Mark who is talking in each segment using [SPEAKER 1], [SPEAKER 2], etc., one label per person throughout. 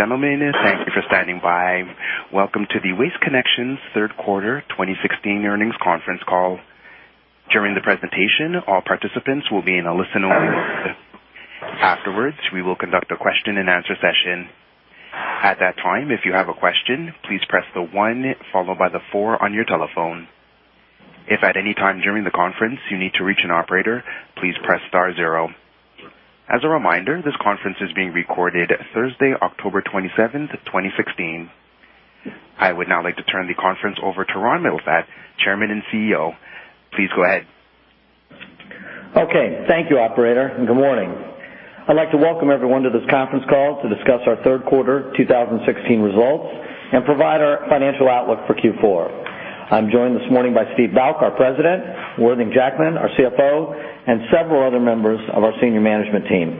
[SPEAKER 1] Ladies and gentlemen, thank you for standing by. Welcome to the Waste Connections Third Quarter 2016 Earnings Conference Call. During the presentation, all participants will be in a listen-only mode. Afterwards, we will conduct a question-and-answer session. At that time, if you have a question, please press the one followed by the four on your telephone. If at any time during the conference you need to reach an operator, please press star zero. As a reminder, this conference is being recorded Thursday, October 27th, 2016. I would now like to turn the conference over to Ronald Mittelstaedt, Chairman and CEO. Please go ahead.
[SPEAKER 2] Okay. Thank you, operator, and good morning. I'd like to welcome everyone to this conference call to discuss our third quarter 2016 results and provide our financial outlook for Q4. I'm joined this morning by Steve Bouck, our President, Worthing Jackman, our CFO, and several other members of our senior management team.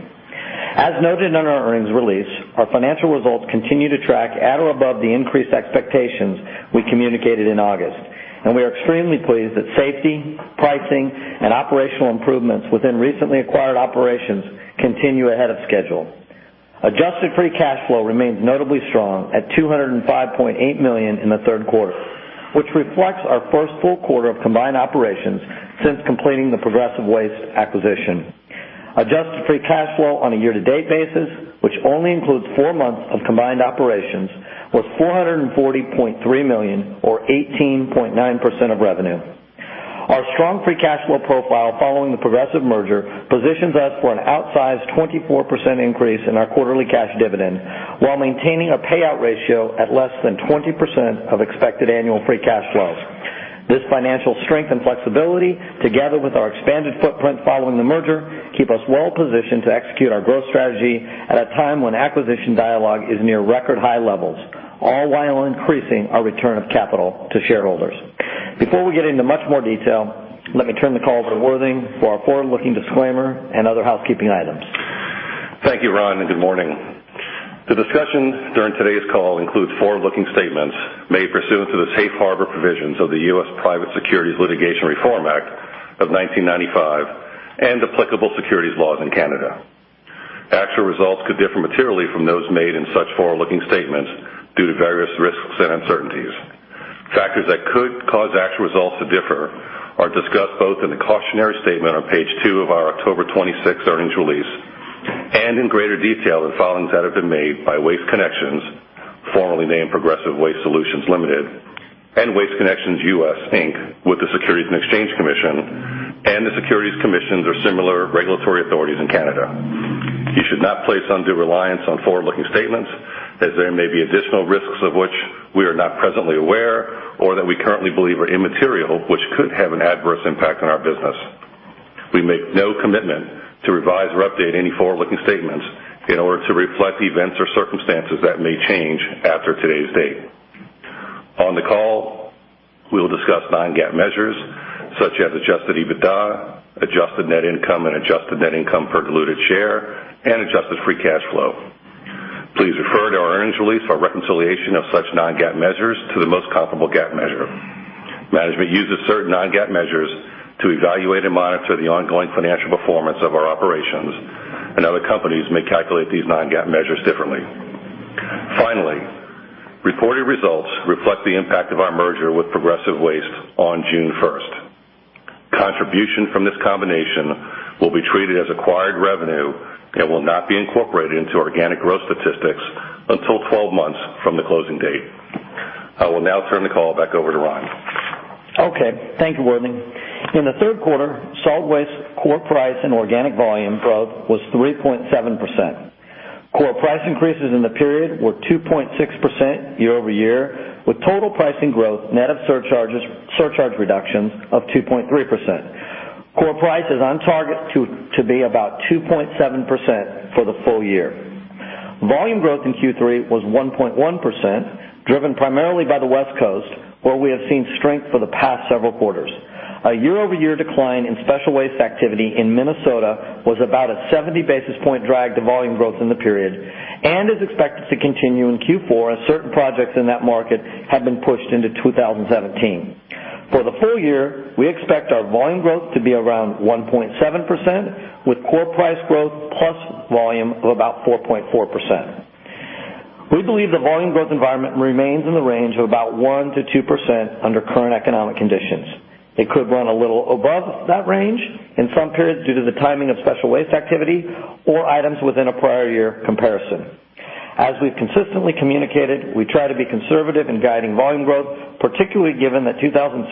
[SPEAKER 2] As noted in our earnings release, our financial results continue to track at or above the increased expectations we communicated in August, and we are extremely pleased that safety, pricing, and operational improvements within recently acquired operations continue ahead of schedule. Adjusted free cash flow remains notably strong at $205.8 million in the third quarter, which reflects our first full quarter of combined operations since completing the Progressive Waste acquisition. Adjusted free cash flow on a year-to-date basis, which only includes four months of combined operations, was $440.3 million or 18.9% of revenue. Our strong free cash flow profile following the Progressive merger positions us for an outsized 24% increase in our quarterly cash dividend while maintaining a payout ratio at less than 20% of expected annual free cash flows. This financial strength and flexibility, together with our expanded footprint following the merger, keep us well-positioned to execute our growth strategy at a time when acquisition dialogue is near record high levels, all while increasing our return of capital to shareholders. Before we get into much more detail, let me turn the call over to Worthing for our forward-looking disclaimer and other housekeeping items.
[SPEAKER 3] Thank you, Ron, and good morning. The discussion during today's call includes forward-looking statements made pursuant to the Safe Harbor Provisions of the US Private Securities Litigation Reform Act of 1995 and applicable securities laws in Canada. Actual results could differ materially from those made in such forward-looking statements due to various risks and uncertainties. Factors that could cause actual results to differ are discussed both in the cautionary statement on page two of our October 26 earnings release and in greater detail in filings that have been made by Waste Connections, formerly named Progressive Waste Solutions Ltd., and Waste Connections US, Inc., with the Securities and Exchange Commission and the securities commissions or similar regulatory authorities in Canada. You should not place undue reliance on forward-looking statements as there may be additional risks of which we are not presently aware or that we currently believe are immaterial, which could have an adverse impact on our business. We make no commitment to revise or update any forward-looking statements in order to reflect events or circumstances that may change after today's date. On the call, we will discuss non-GAAP measures such as adjusted EBITDA, adjusted net income and adjusted net income per diluted share, and adjusted free cash flow. Please refer to our earnings release for reconciliation of such non-GAAP measures to the most comparable GAAP measure. Management uses certain non-GAAP measures to evaluate and monitor the ongoing financial performance of our operations, and other companies may calculate these non-GAAP measures differently. Finally, reported results reflect the impact of our merger with Progressive Waste on June 1st. Contribution from this combination will be treated as acquired revenue and will not be incorporated into organic growth statistics until 12 months from the closing date. I will now turn the call back over to Ron.
[SPEAKER 2] Okay. Thank you, Worthing. In the third quarter, solid waste core price and organic volume growth was 3.7%. Core price increases in the period were 2.6% year-over-year, with total pricing growth net of surcharge reductions of 2.3%. Core price is on target to be about 2.7% for the full year. Volume growth in Q3 was 1.1%, driven primarily by the West Coast, where we have seen strength for the past several quarters. A year-over-year decline in special waste activity in Minnesota was about a 70-basis point drag to volume growth in the period and is expected to continue in Q4 as certain projects in that market have been pushed into 2017. For the full year, we expect our volume growth to be around 1.7%, with core price growth plus volume of about 4.4%. We believe the volume growth environment remains in the range of about 1%-2% under current economic conditions. It could run a little above that range in some periods due to the timing of special waste activity or items within a prior year comparison. As we've consistently communicated, we try to be conservative in guiding volume growth, particularly given that 2016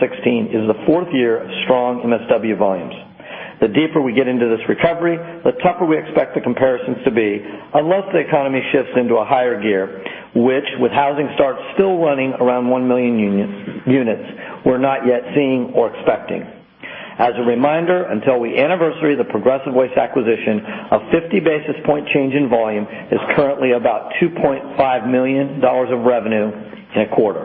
[SPEAKER 2] is the fourth year of strong MSW volumes. The deeper we get into this recovery, the tougher we expect the comparisons to be, unless the economy shifts into a higher gear, which with housing starts still running around 1 million units we're not yet seeing or expecting. As a reminder, until we anniversary the Progressive Waste acquisition, a 50-basis point change in volume is currently about $2.5 million of revenue in a quarter.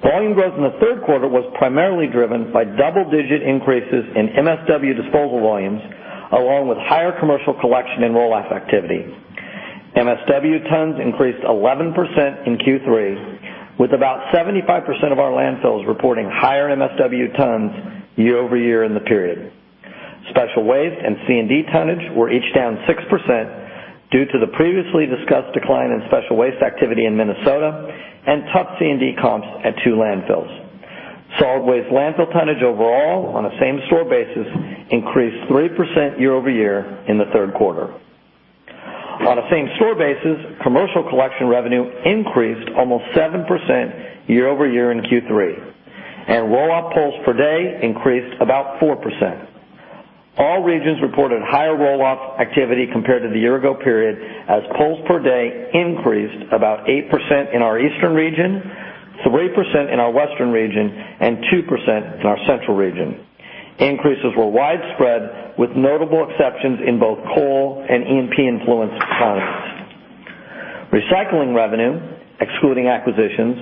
[SPEAKER 2] Volume growth in the third quarter was primarily driven by double-digit increases in MSW disposal volumes, along with higher commercial collection and roll-off activity. MSW tons increased 11% in Q3, with about 75% of our landfills reporting higher MSW tons year-over-year in the period. Special waste and C&D tonnage were each down 6% due to the previously discussed decline in special waste activity in Minnesota and tough C&D comps at two landfills. Solid waste landfill tonnage overall on a same-store basis increased 3% year-over-year in the third quarter. On a same-store basis, commercial collection revenue increased almost 7% year-over-year in Q3, and roll-off pulls per day increased about 4%. All regions reported higher roll-off activity compared to the year-ago period, as pulls per day increased about 8% in our eastern region, 3% in our western region, and 2% in our central region. Increases were widespread, with notable exceptions in both coal and E&P-influenced volumes. Recycling revenue, excluding acquisitions,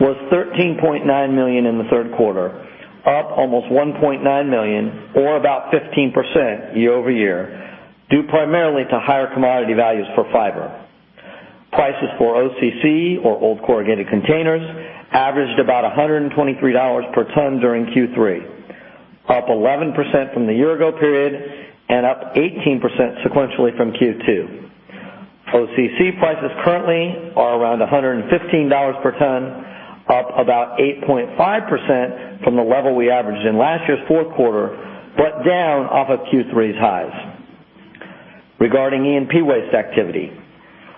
[SPEAKER 2] was $13.9 million in the third quarter, up almost $1.9 million or about 15% year-over-year, due primarily to higher commodity values for fiber. Prices for OCC, or old corrugated containers, averaged about $123 per ton during Q3, up 11% from the year-ago period and up 18% sequentially from Q2. OCC prices currently are around $115 per ton, up about 8.5% from the level we averaged in last year's fourth quarter, but down off of Q3's highs. Regarding E&P waste activity,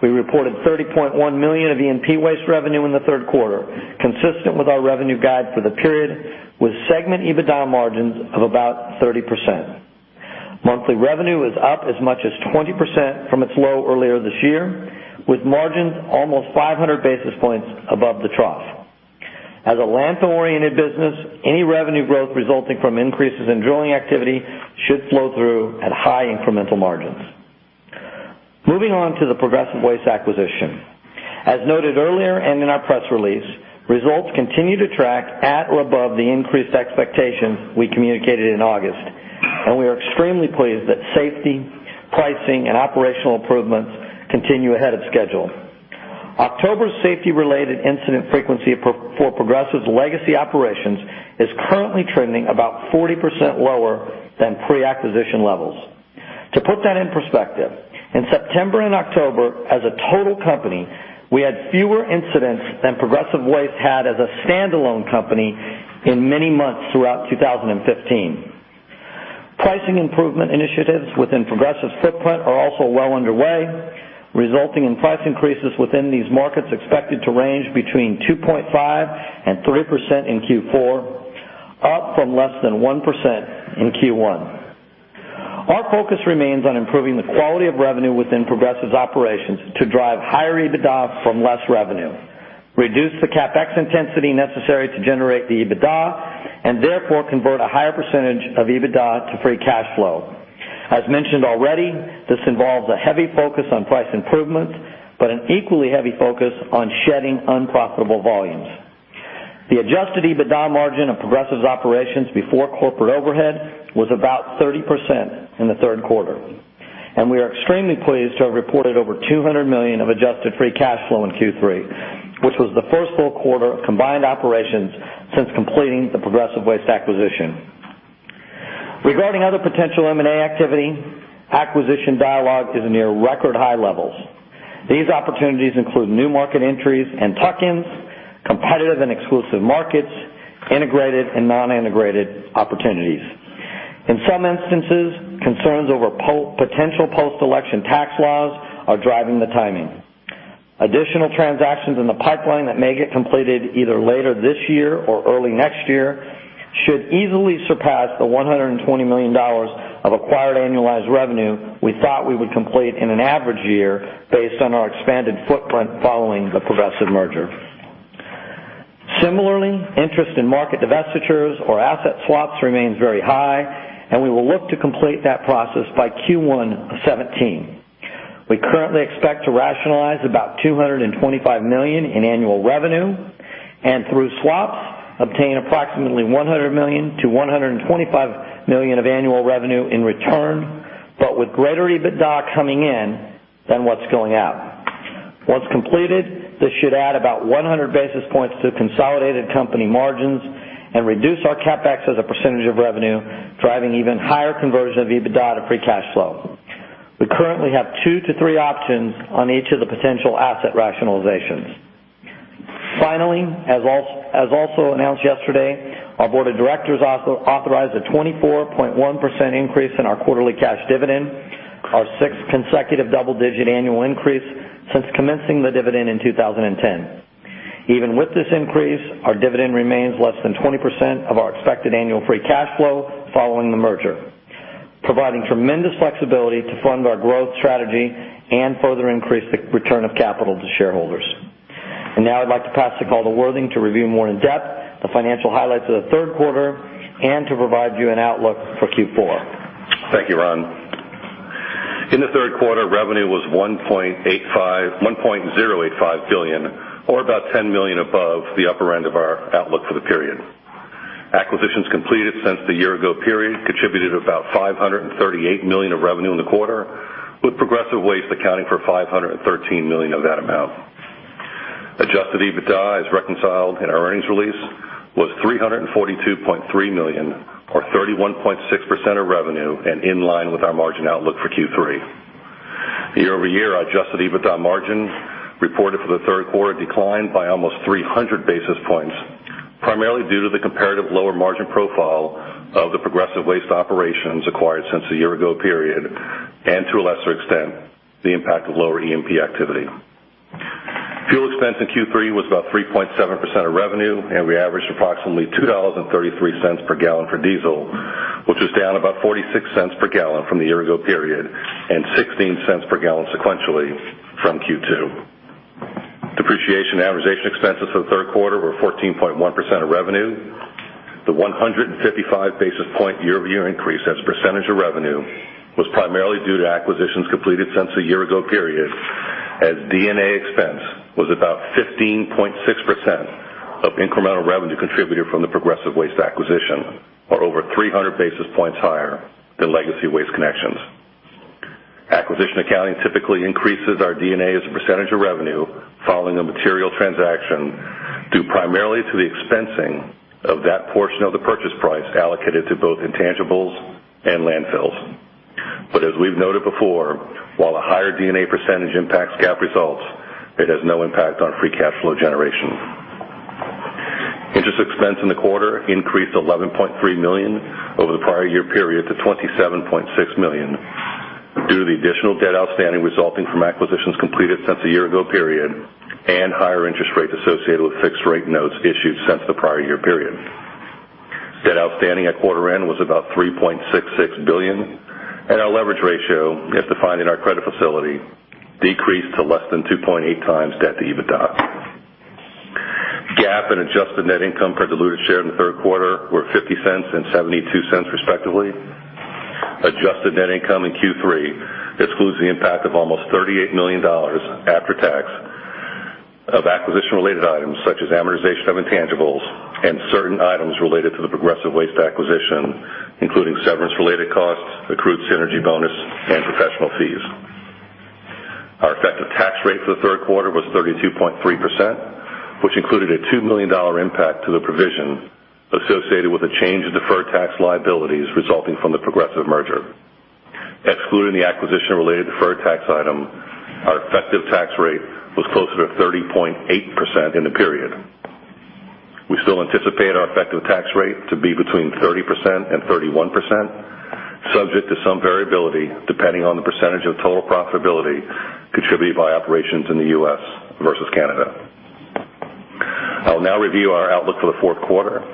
[SPEAKER 2] we reported $30.1 million of E&P waste revenue in the third quarter, consistent with our revenue guide for the period, with segment EBITDA margins of about 30%. Monthly revenue is up as much as 20% from its low earlier this year, with margins almost 500 basis points above the trough. As a landfill-oriented business, any revenue growth resulting from increases in drilling activity should flow through at high incremental margins. Moving on to the Progressive Waste acquisition. As noted earlier and in our press release, results continue to track at or above the increased expectations we communicated in August, and we are extremely pleased that safety, pricing, and operational improvements continue ahead of schedule. October safety-related incident frequency for Progressive's legacy operations is currently trending about 40% lower than pre-acquisition levels. To put that in perspective, in September and October as a total company, we had fewer incidents than Progressive Waste had as a standalone company in many months throughout 2015. Pricing improvement initiatives within Progressive's footprint are also well underway, resulting in price increases within these markets expected to range between 2.5%-3% in Q4, up from less than 1% in Q1. Our focus remains on improving the quality of revenue within Progressive's operations to drive higher EBITDA from less revenue, reduce the CapEx intensity necessary to generate the EBITDA, and therefore convert a higher percentage of EBITDA to free cash flow. As mentioned already, this involves a heavy focus on price improvements, but an equally heavy focus on shedding unprofitable volumes. The adjusted EBITDA margin of Progressive's operations before corporate overhead was about 30% in the third quarter, and we are extremely pleased to have reported over $200 million of adjusted free cash flow in Q3, which was the first full quarter of combined operations since completing the Progressive Waste acquisition. Regarding other potential M&A activity, acquisition dialogue is near record-high levels. These opportunities include new market entries and tuck-ins, competitive and exclusive markets, integrated and non-integrated opportunities. In some instances, concerns over potential post-election tax laws are driving the timing. Additional transactions in the pipeline that may get completed either later this year or early next year should easily surpass the $120 million of acquired annualized revenue we thought we would complete in an average year based on our expanded footprint following the Progressive Waste merger. Similarly, interest in market divestitures or asset swaps remains very high, and we will look to complete that process by Q1 2017. We currently expect to rationalize about $225 million in annual revenue and, through swaps, obtain approximately $100 million-$125 million of annual revenue in return, but with greater EBITDA coming in than what's going out. Once completed, this should add about 100 basis points to consolidated company margins and reduce our CapEx as a percentage of revenue, driving even higher conversion of EBITDA to free cash flow. We currently have two to three options on each of the potential asset rationalizations. Finally, as also announced yesterday, our board of directors authorized a 24.1% increase in our quarterly cash dividend, our sixth consecutive double-digit annual increase since commencing the dividend in 2010. Even with this increase, our dividend remains less than 20% of our expected annual free cash flow following the merger, providing tremendous flexibility to fund our growth strategy and further increase the return of capital to shareholders. Now I'd like to pass the call to Worthing to review more in depth the financial highlights of the third quarter and to provide you an outlook for Q4.
[SPEAKER 3] Thank you, Ron. In the third quarter, revenue was $1.085 billion, or about $10 million above the upper end of our outlook for the period. Acquisitions completed since the year-ago period contributed about $538 million of revenue in the quarter, with Progressive Waste accounting for $513 million of that amount. Adjusted EBITDA, as reconciled in our earnings release, was $342.3 million, or 31.6% of revenue, and in line with our margin outlook for Q3. Year-over-year adjusted EBITDA margin reported for the third quarter declined by almost 300 basis points, primarily due to the comparative lower margin profile of the Progressive Waste operations acquired since the year-ago period, and to a lesser extent, the impact of lower E&P activity. Fuel expense in Q3 was about 3.7% of revenue, and we averaged approximately $2.33 per gallon for diesel, which was down about $0.46 per gallon from the year-ago period and $0.16 per gallon sequentially from Q2. Depreciation and amortization expenses for the third quarter were 14.1% of revenue. The 155 basis point year-over-year increase as a percentage of revenue was primarily due to acquisitions completed since the year-ago period, as D&A expense was about 15.6% of incremental revenue contributed from the Progressive Waste acquisition, or over 300 basis points higher than legacy Waste Connections. Acquisition accounting typically increases our D&A as a percentage of revenue following a material transaction, due primarily to the expensing of that portion of the purchase price allocated to both intangibles and landfills. As we've noted before, while a higher D&A percentage impacts GAAP results, it has no impact on free cash flow generation. Interest expense in the quarter increased 11.3 million over the prior year period to 27.6 million, due to the additional debt outstanding resulting from acquisitions completed since the year ago period and higher interest rates associated with fixed rate notes issued since the prior year period. Debt outstanding at quarter end was about 3.66 billion, and our leverage ratio, as defined in our credit facility, decreased to less than 2.8 times debt to EBITDA. GAAP and adjusted net income per diluted share in the third quarter were 0.50 and 0.72 respectively. Adjusted net income in Q3 excludes the impact of almost 38 million dollars after tax of acquisition-related items such as amortization of intangibles and certain items related to the Progressive Waste acquisition, including severance-related costs, accrued synergy bonus, and professional fees. Our effective tax rate for the third quarter was 32.3%, which included a 2 million dollar impact to the provision associated with a change in deferred tax liabilities resulting from the Progressive merger. Excluding the acquisition-related deferred tax item, our effective tax rate was closer to 30.8% in the period. We still anticipate our effective tax rate to be between 30% and 31%, subject to some variability depending on the percentage of total profitability contributed by operations in the U.S. versus Canada. I'll now review our outlook for the fourth quarter.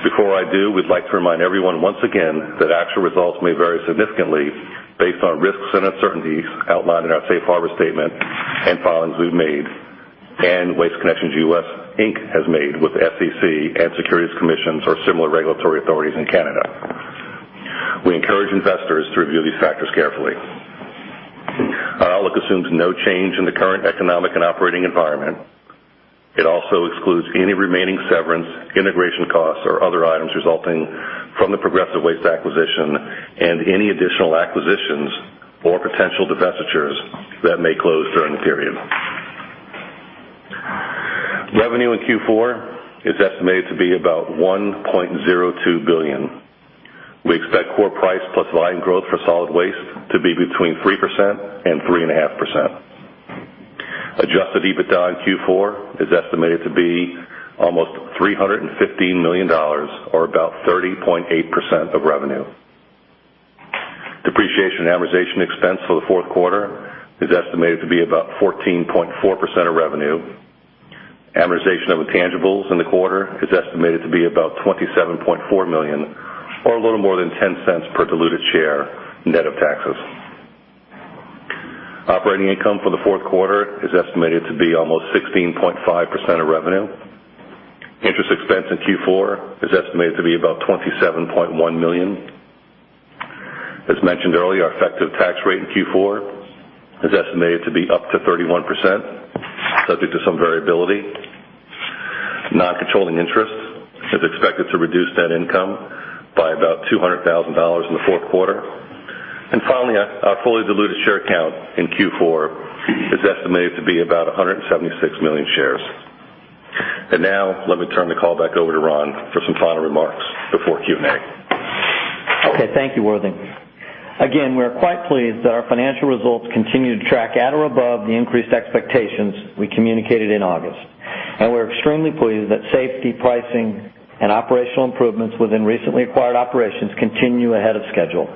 [SPEAKER 3] Before I do, we'd like to remind everyone once again that actual results may vary significantly based on risks and uncertainties outlined in our safe harbor statement and filings we've made and Waste Connections US, Inc. has made with the SEC and Securities Commission for similar regulatory authorities in Canada. We encourage investors to review these factors carefully. Our outlook assumes no change in the current economic and operating environment. It also excludes any remaining severance, integration costs, or other items resulting from the Progressive Waste acquisition and any additional acquisitions or potential divestitures that may close during the period. Revenue in Q4 is estimated to be about 1.02 billion. We expect core price plus volume growth for solid waste to be between 3% and 3.5%. Adjusted EBITDA in Q4 is estimated to be almost 315 million dollars, or about 30.8% of revenue. Depreciation and amortization expense for the fourth quarter is estimated to be about 14.4% of revenue. Amortization of intangibles in the quarter is estimated to be about 27.4 million, or a little more than 0.10 per diluted share, net of taxes. Operating income for the fourth quarter is estimated to be almost 16.5% of revenue. Interest expense in Q4 is estimated to be about 27.1 million. As mentioned earlier, our effective tax rate in Q4 is estimated to be up to 31%, subject to some variability. Non-controlling interest is expected to reduce net income by about 200,000 dollars in the fourth quarter. Finally, our fully diluted share count in Q4 is estimated to be about 176 million shares. Now, let me turn the call back over to Ron for some final remarks before Q&A.
[SPEAKER 2] Okay. Thank you, Worthing. We are quite pleased that our financial results continue to track at or above the increased expectations we communicated in August. We're extremely pleased that safety, pricing, and operational improvements within recently acquired operations continue ahead of schedule.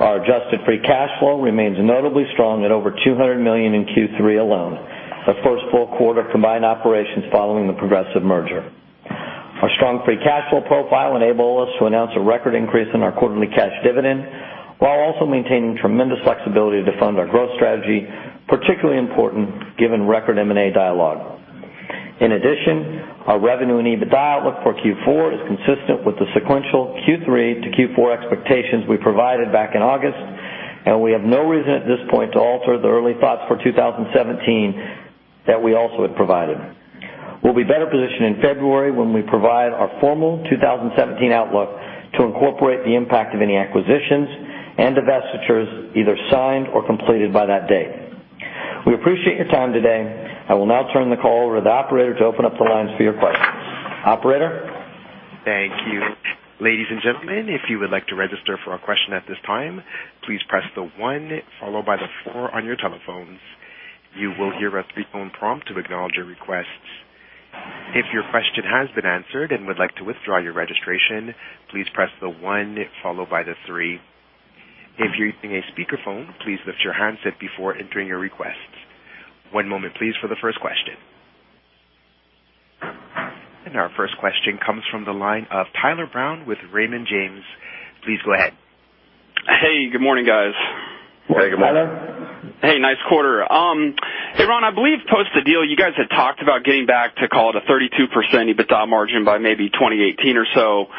[SPEAKER 2] Our adjusted free cash flow remains notably strong at over $200 million in Q3 alone, our first full quarter combined operations following the Progressive merger. Our strong free cash flow profile enable us to announce a record increase in our quarterly cash dividend while also maintaining tremendous flexibility to fund our growth strategy, particularly important given record M&A dialogue. Our revenue and EBITDA outlook for Q4 is consistent with the sequential Q3 to Q4 expectations we provided back in August, and we have no reason at this point to alter the early thoughts for 2017 that we also had provided. We'll be better positioned in February when we provide our formal 2017 outlook to incorporate the impact of any acquisitions and divestitures either signed or completed by that date. We appreciate your time today, and will now turn the call over to the operator to open up the lines for your questions. Operator?
[SPEAKER 1] Thank you. Ladies and gentlemen, if you would like to register for a question at this time, please press the one followed by the four on your telephones. You will hear a phone prompt to acknowledge your request. If your question has been answered and would like to withdraw your registration, please press the one followed by the three. If you're using a speakerphone, please lift your handset before entering your request. One moment, please, for the first question. Our first question comes from the line of Tyler Brown with Raymond James. Please go ahead.
[SPEAKER 4] Hey, good morning, guys.
[SPEAKER 3] Good morning.
[SPEAKER 2] Hey, good morning.
[SPEAKER 4] Hey, nice quarter. Hey Ron, I believe post the deal, you guys had talked about getting back to call it a 32% EBITDA margin by maybe 2018 or so.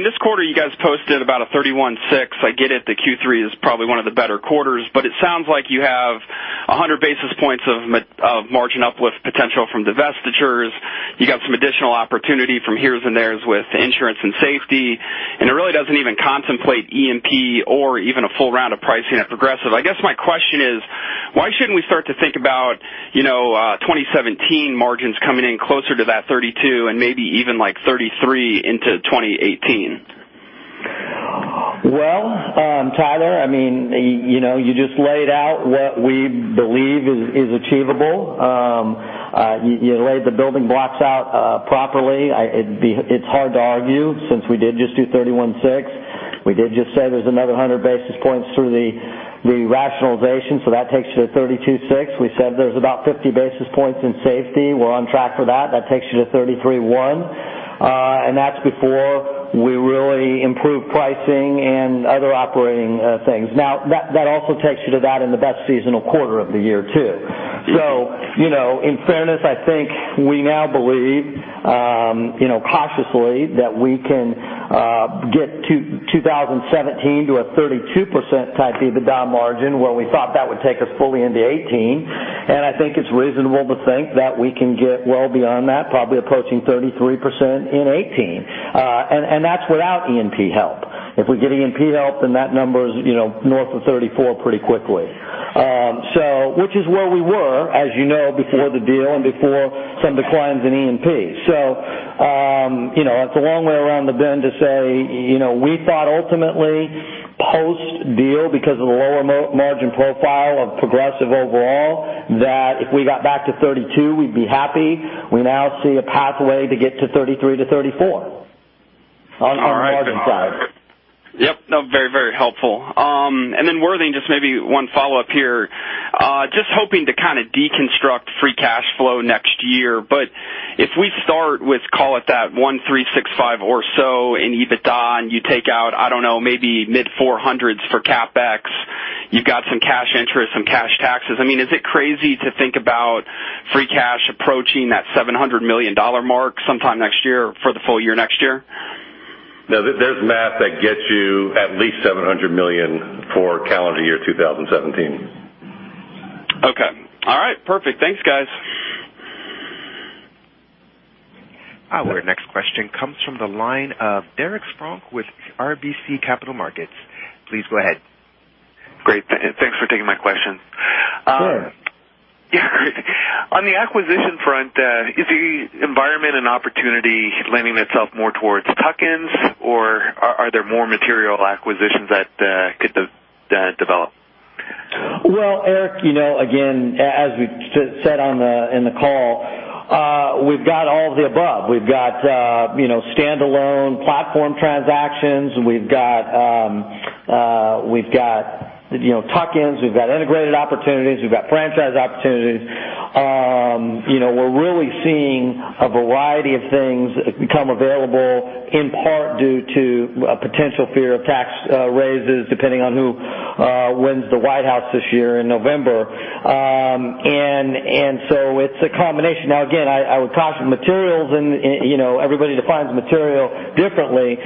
[SPEAKER 4] This quarter, you guys posted about a 31.6%. I get it, the Q3 is probably one of the better quarters, but it sounds like you have 100 basis points of margin uplift potential from divestitures. You got some additional opportunity from heres and theres with insurance and safety, and it really doesn't even contemplate E&P or even a full round of pricing at Progressive. I guess my question is, why shouldn't we start to think about 2017 margins coming in closer to that 32% and maybe even 33% into 2018?
[SPEAKER 2] Tyler, you just laid out what we believe is achievable. You laid the building blocks out properly. It's hard to argue, since we did just do 31.6%. We did just say there's another 100 basis points through the rationalization, so that takes you to 32.6%. We said there's about 50 basis points in safety. We're on track for that. That takes you to 33.1%. That's before we really improve pricing and other operating things. That also takes you to that in the best seasonal quarter of the year, too. In fairness, I think we now believe, cautiously, that we can get 2017 to a 32% type EBITDA margin, where we thought that would take us fully into 2018. I think it's reasonable to think that we can get well beyond that, probably approaching 33% in 2018. That's without E&P help. If we get E&P help, that number is north of 34 pretty quickly. Which is where we were, as you know, before the deal and before some declines in E&P. It's a long way around the bend to say we thought ultimately post-deal because of the lower margin profile of Progressive overall, that if we got back to 32, we'd be happy. We now see a pathway to get to 33 to 34 on the margin side.
[SPEAKER 4] Yep. No, very helpful. Worthing, just maybe one follow-up here. Just hoping to deconstruct free cash flow next year. If we start with, call it that, 1,365 or so in EBITDA, and you take out, I don't know, maybe mid-400s for CapEx, you've got some cash interest, some cash taxes. Is it crazy to think about free cash approaching that $700 million mark sometime next year for the full year next year?
[SPEAKER 3] No, there's math that gets you at least $700 million for calendar year 2017.
[SPEAKER 4] Okay. All right, perfect. Thanks, guys.
[SPEAKER 1] Our next question comes from the line of Derek Spronck with RBC Capital Markets. Please go ahead.
[SPEAKER 5] Great. Thanks for taking my question.
[SPEAKER 2] Sure.
[SPEAKER 5] Yeah. On the acquisition front, is the environment and opportunity lending itself more towards tuck-ins, or are there more material acquisitions that could develop?
[SPEAKER 2] Well, Derek, again, as we said in the call, we've got all of the above. We've got standalone platform transactions. We've got tuck-ins. We've got integrated opportunities. We've got franchise opportunities. We're really seeing a variety of things become available, in part due to a potential fear of tax raises, depending on who wins the White House this year in November. It's a combination. Now, again, I would caution materials, and everybody defines material differently.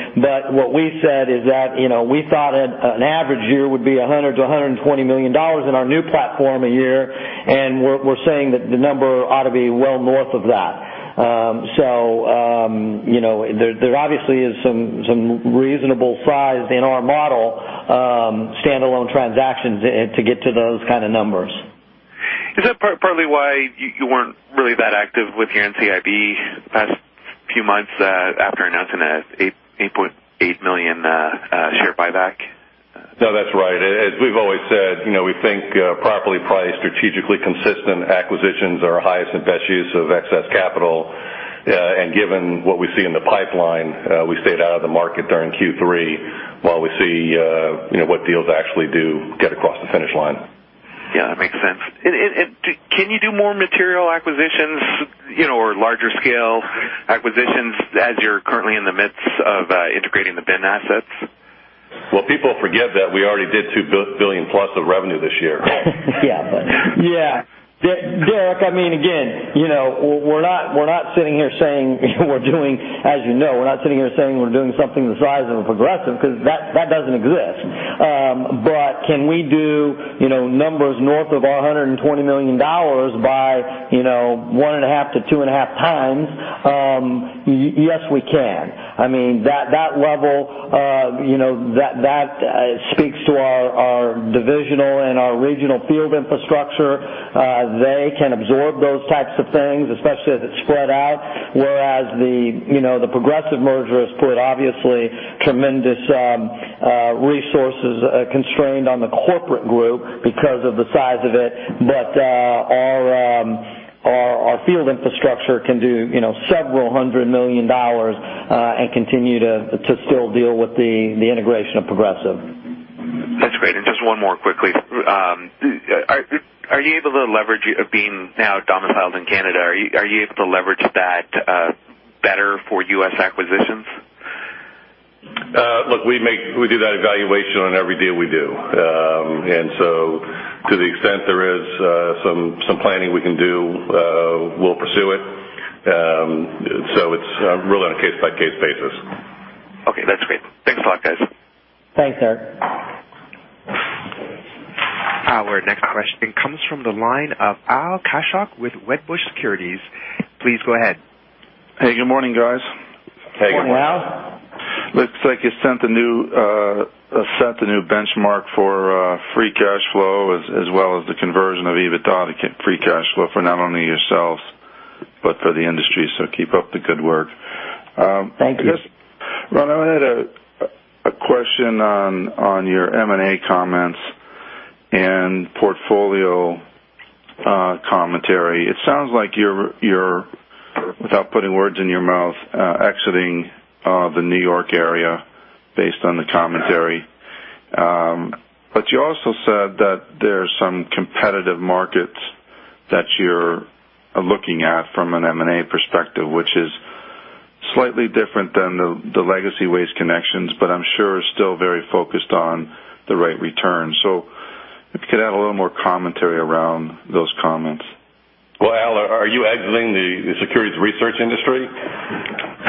[SPEAKER 2] What we said is that we thought an average year would be 100 million-120 million dollars in our new platform a year, and we're saying that the number ought to be well north of that. There obviously is some reasonable size in our model, standalone transactions to get to those kind of numbers.
[SPEAKER 5] Is that partly why you weren't really that active with your NCIB the past few months after announcing a 8.8 million share buyback?
[SPEAKER 3] No, that's right. As we've always said, we think properly priced, strategically consistent acquisitions are our highest and best use of excess capital. Given what we see in the pipeline, we stayed out of the market during Q3 while we see what deals actually do get across the finish line.
[SPEAKER 5] Yeah, that makes sense. Can you do more material acquisitions or larger scale acquisitions as you're currently in the midst of integrating the BIN assets?
[SPEAKER 3] Well, people forget that we already did $2 billion-plus of revenue this year.
[SPEAKER 2] Yeah. Derek, again, we're not sitting here saying we're doing, as you know, we're not sitting here saying we're doing something the size of a Progressive, because that doesn't exist. Can we do numbers north of 120 million dollars by 1.5 to 2.5 times. Yes, we can. That speaks to our divisional and our regional field infrastructure. They can absorb those types of things, especially as it's spread out. Whereas the Progressive merger has put obviously tremendous resources constrained on the corporate group because of the size of it. Our field infrastructure can do several hundred million CAD and continue to still deal with the integration of Progressive.
[SPEAKER 5] That's great. Just one more quickly. Are you able to leverage being now domiciled in Canada? Are you able to leverage that better for U.S. acquisitions?
[SPEAKER 3] Look, we do that evaluation on every deal we do. To the extent there is some planning we can do, we'll pursue it. It's really on a case-by-case basis.
[SPEAKER 5] Okay. That's great. Thanks a lot, guys.
[SPEAKER 2] Thanks, Eric.
[SPEAKER 1] Our next question comes from the line of Al Kaschalk with Wedbush Securities. Please go ahead.
[SPEAKER 6] Hey, good morning, guys.
[SPEAKER 2] Hey, good morning, Al.
[SPEAKER 3] Good morning.
[SPEAKER 6] Looks like you set the new benchmark for free cash flow, as well as the conversion of EBITDA to free cash flow for not only yourselves, but for the industry. Keep up the good work.
[SPEAKER 2] Thank you.
[SPEAKER 6] Ron, I had a question on your M&A comments and portfolio commentary. It sounds like you're, without putting words in your mouth, exiting the New York area based on the commentary. You also said that there's some competitive markets that you're looking at from an M&A perspective, which is slightly different than the legacy Waste Connections, but I'm sure still very focused on the right return. If you could add a little more commentary around those comments.
[SPEAKER 3] Well, Al, are you exiting the securities research industry?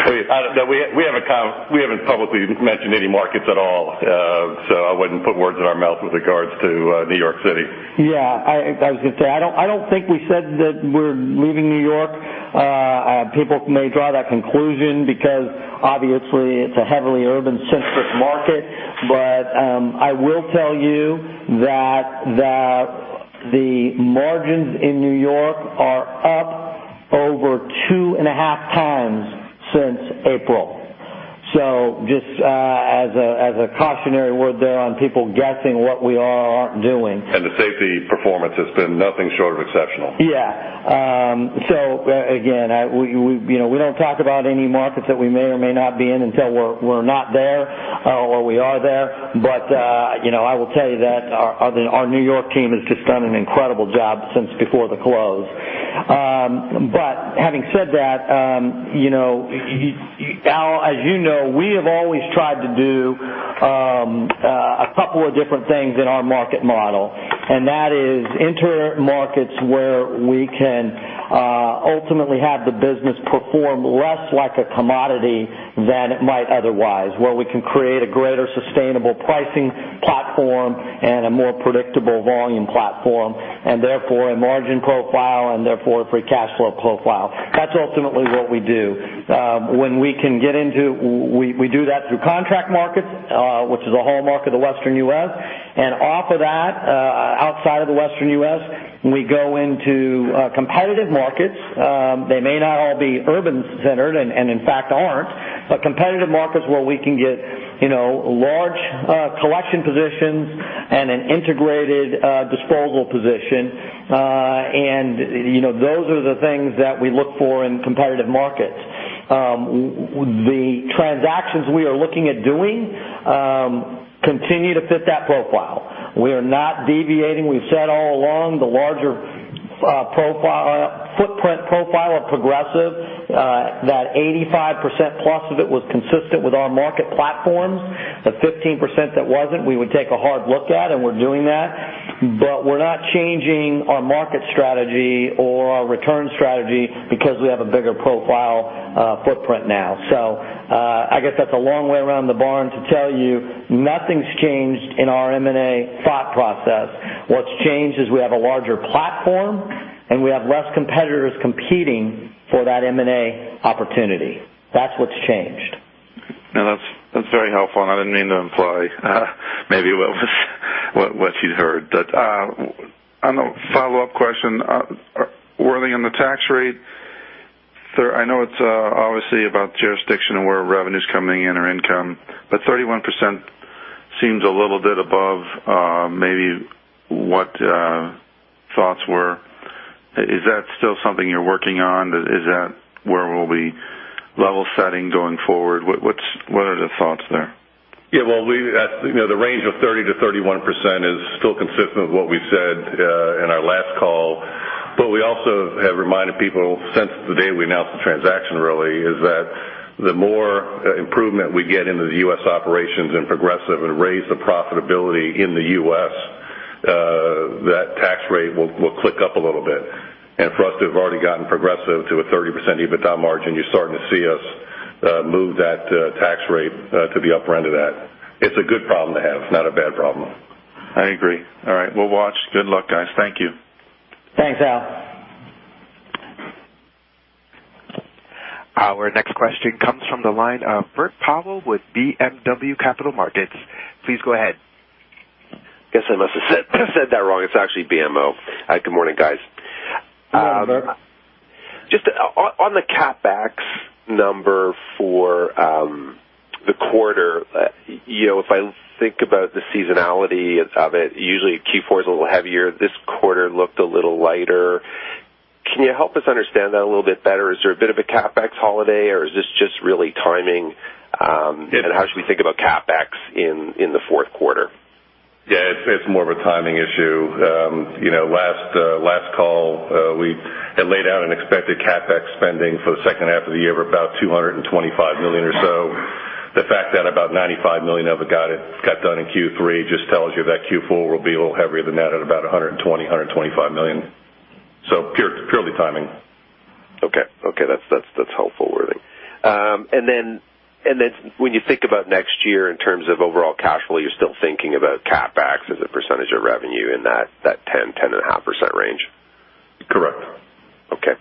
[SPEAKER 3] We haven't publicly mentioned any markets at all. I wouldn't put words in our mouth with regards to New York City.
[SPEAKER 2] Yeah, I was going to say, I don't think we said that we're leaving New York. People may draw that conclusion because obviously it's a heavily urban-centric market. I will tell you that the margins in New York are up over two and a half times since April. Just as a cautionary word there on people guessing what we are or aren't doing.
[SPEAKER 3] The safety performance has been nothing short of exceptional.
[SPEAKER 2] Yeah. Again, we don't talk about any markets that we may or may not be in until we're not there or we are there. I will tell you that our New York team has just done an incredible job since before the close. Having said that, Al, as you know, we have always tried to do a couple of different things in our market model, and that is enter markets where we can ultimately have the business perform less like a commodity than it might otherwise, where we can create a greater sustainable pricing platform and a more predictable volume platform, and therefore a margin profile, and therefore a free cash flow profile. That's ultimately what we do. We do that through contract markets, which is a hallmark of the Western U.S. Off of that, outside of the Western U.S., we go into competitive markets. They may not all be urban-centered, and in fact, aren't, but competitive markets where we can get large collection positions and an integrated disposal position. Those are the things that we look for in competitive markets. The transactions we are looking at doing continue to fit that profile. We are not deviating. We've said all along, the larger footprint profile of Progressive, that 85%+ of it was consistent with our market platforms. The 15% that wasn't, we would take a hard look at, and we're doing that. We're not changing our market strategy or our return strategy because we have a bigger profile footprint now. I guess that's a long way around the barn to tell you nothing's changed in our M&A thought process. What's changed is we have a larger platform, and we have less competitors competing for that M&A opportunity. That's what's changed.
[SPEAKER 6] No, that's very helpful, and I didn't mean to imply maybe what you'd heard. On the follow-up question, Worthing, on the tax rate, I know it's obviously about jurisdiction and where revenue's coming in or income, but 31% seems a little bit above maybe what thoughts were. Is that still something you're working on? Is that where we'll be level setting going forward? What are the thoughts there?
[SPEAKER 3] The range of 30%-31% is still consistent with what we said in our last call. We also have reminded people since the day we announced the transaction, really, is that the more improvement we get into the U.S. operations in Progressive and raise the profitability in the U.S., that tax rate will click up a little bit. For us to have already gotten Progressive to a 30% EBITDA margin, you're starting to see us move that tax rate to the upper end of that. It's a good problem to have, not a bad problem. I agree. All right, we'll watch. Good luck, guys. Thank you.
[SPEAKER 2] Thanks, Al.
[SPEAKER 1] Our next question comes from the line of Bert Powell with BMO Capital Markets. Please go ahead.
[SPEAKER 7] Guess I must have said that wrong. It's actually BMO. Hi, good morning, guys.
[SPEAKER 3] Good morning, Bert.
[SPEAKER 7] Just on the CapEx number for the quarter, if I think about the seasonality of it, usually Q4 is a little heavier. This quarter looked a little lighter. Can you help us understand that a little bit better? Is there a bit of a CapEx holiday, or is this just really timing?
[SPEAKER 3] Yeah.
[SPEAKER 7] How should we think about CapEx in the fourth quarter?
[SPEAKER 3] Yeah, it's more of a timing issue. Last call, we had laid out an expected CapEx spending for the second half of the year of about $225 million or so. The fact that about $95 million of it got done in Q3 just tells you that Q4 will be a little heavier than that at about $120, $125 million. Purely timing.
[SPEAKER 7] Okay. That's helpful, Worthy. When you think about next year in terms of overall cash flow, you're still thinking about CapEx as a percentage of revenue in that 10%-10.5% range?
[SPEAKER 3] Correct.
[SPEAKER 7] Okay.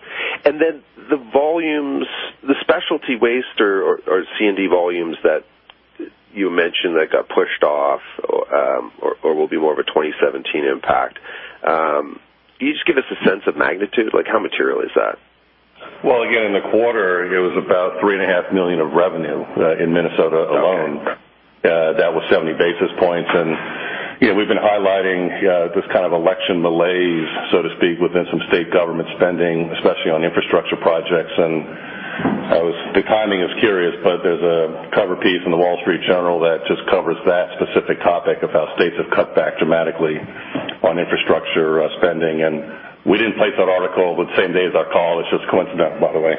[SPEAKER 7] The volumes, the specialty waste or C&D volumes that you mentioned that got pushed off or will be more of a 2017 impact, can you just give us a sense of magnitude? How material is that?
[SPEAKER 3] Well, again, in the quarter, it was about three and a half million of revenue in Minnesota alone.
[SPEAKER 7] Okay.
[SPEAKER 3] That was 70 basis points. We've been highlighting this kind of election malaise, so to speak, within some state government spending, especially on infrastructure projects. The timing is curious, but there's a cover piece in the Wall Street Journal that just covers that specific topic of how states have cut back dramatically on infrastructure spending. We didn't place that article the same day as our call. It's just a coincidence, by the way.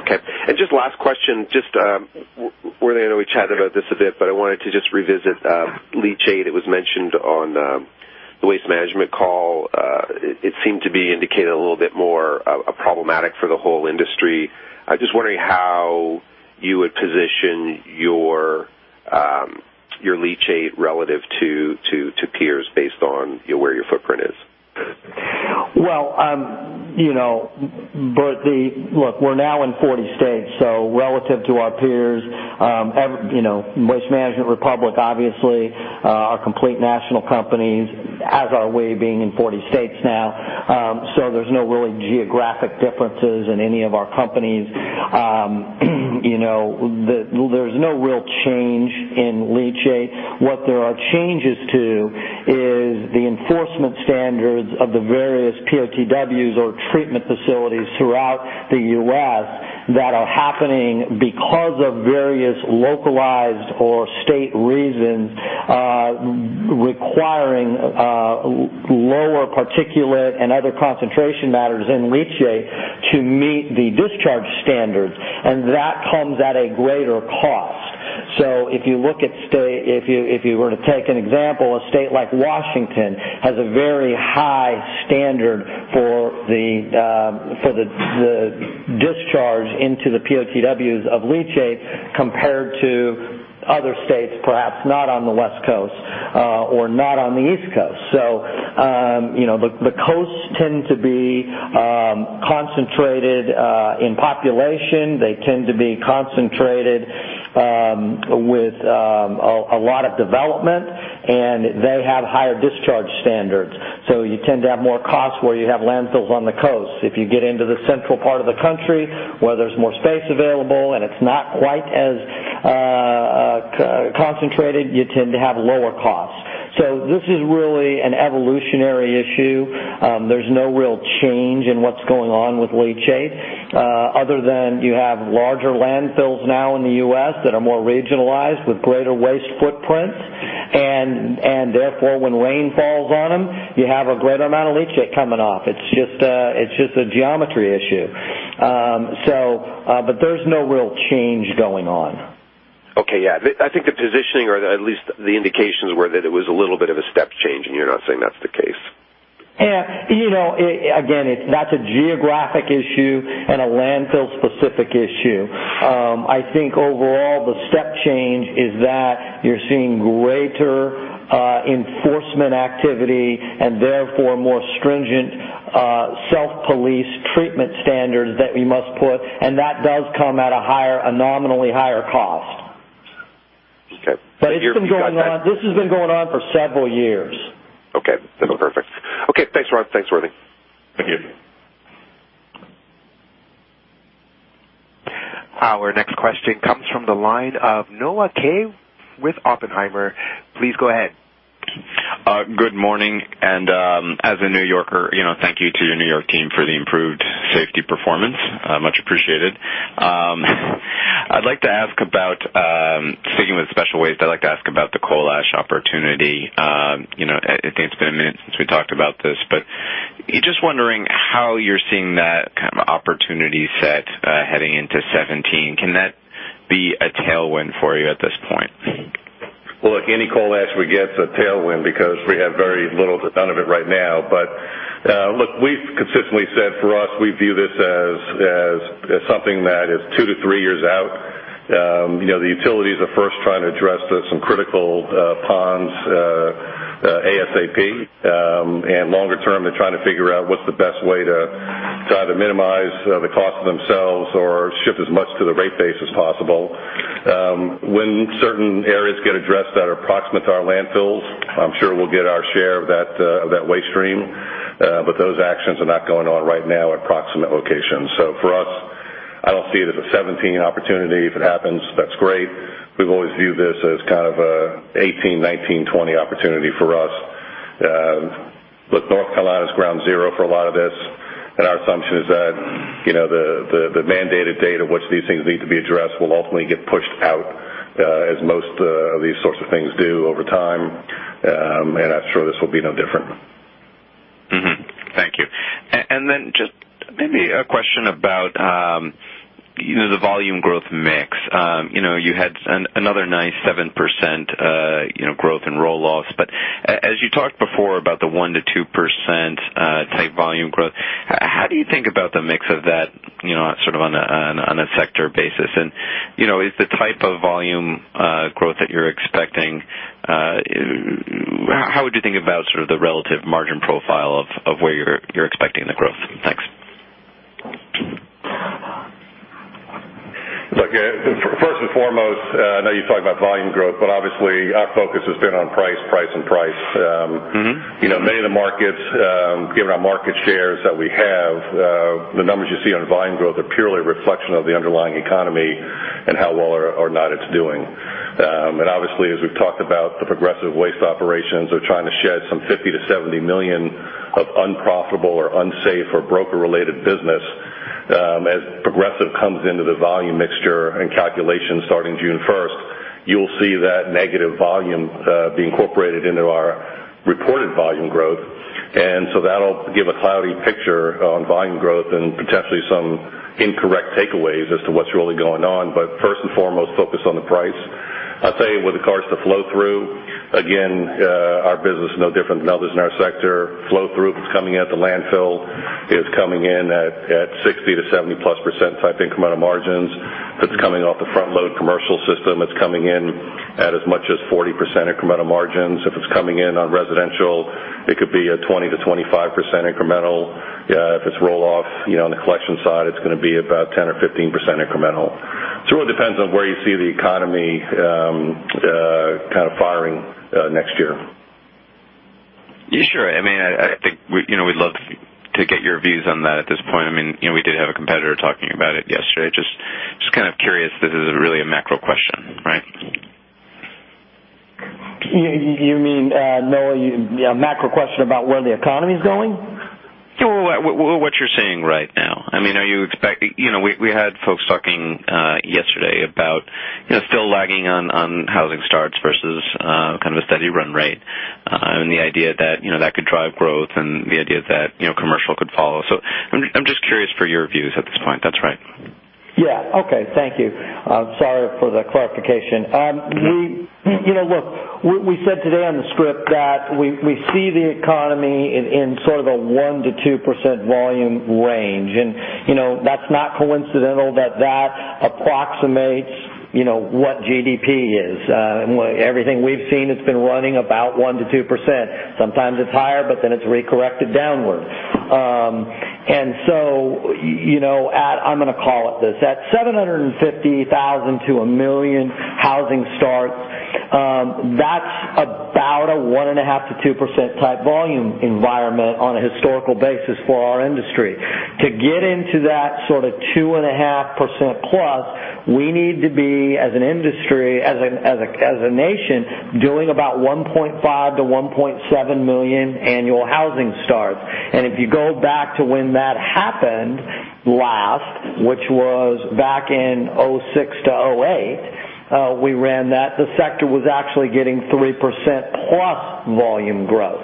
[SPEAKER 7] Okay. Just last question, Worthing, I know we chatted about this a bit, but I wanted to just revisit leachate. It was mentioned on the Waste Management call. It seemed to be indicated a little bit more problematic for the whole industry. I'm just wondering how you would position your leachate relative to peers based on where your footprint is.
[SPEAKER 2] Well, Bert, look, we're now in 40 states. Relative to our peers, Waste Management, Republic obviously are complete national companies, as are we being in 40 states now. There's no really geographic differences in any of our companies. There's no real change in leachate. What there are changes to is the enforcement standards of the various POTWs or treatment facilities throughout the U.S. that are happening because of various localized or state reasons requiring lower particulate and other concentration matters in leachate to meet the discharge standards, and that comes at a greater cost. If you were to take an example, a state like Washington has a very high standard for the discharge into the POTWs of leachate compared to other states, perhaps not on the West Coast or not on the East Coast. The coasts tend to be concentrated in population. They tend to be concentrated with a lot of development, and they have higher discharge standards. You tend to have more costs where you have landfills on the coasts. If you get into the central part of the country where there's more space available and it's not quite as concentrated, you tend to have lower costs. This is really an evolutionary issue. There's no real change in what's going on with leachate, other than you have larger landfills now in the U.S. that are more regionalized with greater waste footprints, and therefore, when rain falls on them, you have a greater amount of leachate coming off. It's just a geometry issue. There's no real change going on.
[SPEAKER 7] Okay, yeah. I think the positioning, or at least the indications were that it was a little bit of a step change, and you're not saying that's the case.
[SPEAKER 2] Yeah. Again, that's a geographic issue and a landfill-specific issue. I think overall, the step change is that you're seeing greater enforcement activity and therefore more stringent self-police treatment standards that we must put, and that does come at a nominally higher cost.
[SPEAKER 7] Okay.
[SPEAKER 2] This has been going on for several years.
[SPEAKER 7] Okay, perfect. Okay, thanks, Ron. Thanks, Worthy.
[SPEAKER 3] Thank you.
[SPEAKER 1] Our next question comes from the line of Noah Kaye with Oppenheimer. Please go ahead.
[SPEAKER 8] Good morning. As a New Yorker, thank you to your New York team for the improved safety performance. Much appreciated. Sticking with special waste, I'd like to ask about the coal ash opportunity. I think it's been a minute since we talked about this, but just wondering how you're seeing that kind of opportunity set heading into 2017. Can that be a tailwind for you at this point?
[SPEAKER 3] Well, look, any coal ash we get is a tailwind because we have very little to none of it right now. Look, we've consistently said, for us, we view this as something that is two to three years out. The utilities are first trying to address some critical ponds ASAP. Longer term, they're trying to figure out what's the best way to either minimize the cost of themselves or shift as much to the rate base as possible. When certain areas get addressed that are approximate to our landfills, I'm sure we'll get our share of that waste stream. Those actions are not going on right now at approximate locations. For us, I don't see it as a 2017 opportunity. If it happens, that's great. We've always viewed this as kind of a 2018, 2019, 2020 opportunity for us. Look, North Carolina's ground zero for a lot of this, our assumption is that the mandated date of which these things need to be addressed will ultimately get pushed out, as most of these sorts of things do over time. I'm sure this will be no different.
[SPEAKER 8] Thank you. Just maybe a question about the volume growth mix. You had another nice 7% growth in roll-offs, but as you talked before about the 1%-2% type volume growth, how do you think about the mix of that on a sector basis? Is the type of volume growth that you're expecting, how would you think about the relative margin profile of where you're expecting the growth? Thanks.
[SPEAKER 3] Look, first and foremost, I know you talked about volume growth, obviously our focus has been on price, and price. Many of the markets, given our market shares that we have, the numbers you see on volume growth are purely a reflection of the underlying economy and how well or not it's doing. Obviously, as we've talked about, the Progressive Waste operations are trying to shed some 50 million to 70 million of unprofitable or unsafe or broker-related business. As Progressive Waste comes into the volume mixture and calculation starting June 1st, you'll see that negative volume being incorporated into our reported volume growth. That'll give a cloudy picture on volume growth and potentially some incorrect takeaways as to what's really going on. First and foremost, focused on the price. I'll tell you, with regards to flow-through, again, our business is no different than others in our sector. Flow-through, if it's coming out the landfill, is coming in at 60%-70%+ type incremental margins. If it's coming off the front load commercial system, it's coming in at as much as 40% incremental margins. If it's coming in on residential, it could be a 20%-25% incremental. If it's roll-off on the collection side, it's going to be about 10% or 15% incremental. It really depends on where you see the economy firing next year.
[SPEAKER 8] Yeah, sure. I think we'd love to get your views on that at this point. We did have a competitor talking about it yesterday. Just kind of curious, this is really a macro question, right?
[SPEAKER 2] You mean, Noah, a macro question about where the economy's going?
[SPEAKER 8] What you're seeing right now. We had folks talking yesterday about still lagging on housing starts versus a steady run rate, and the idea that that could drive growth, and the idea that commercial could follow. I'm just curious for your views at this point. That's right.
[SPEAKER 2] Yeah. Okay. Thank you. Sorry for the clarification. Look, we said today on the script that we see the economy in a 1%-2% volume range, that's not coincidental that that approximates what GDP is. Everything we've seen, it's been running about 1%-2%. Sometimes it's higher, it's re-corrected downward. I'm going to call it this, at 750,000 to 1 million housing starts, that's about a 1.5%-2% type volume environment on a historical basis for our industry. To get into that 2.5%+, we need to be, as an industry, as a nation, doing about 1.5 million-1.7 million annual housing starts. If you go back to when that happened last, which was back in 2006-2008, we ran that, the sector was actually getting 3%+ volume growth.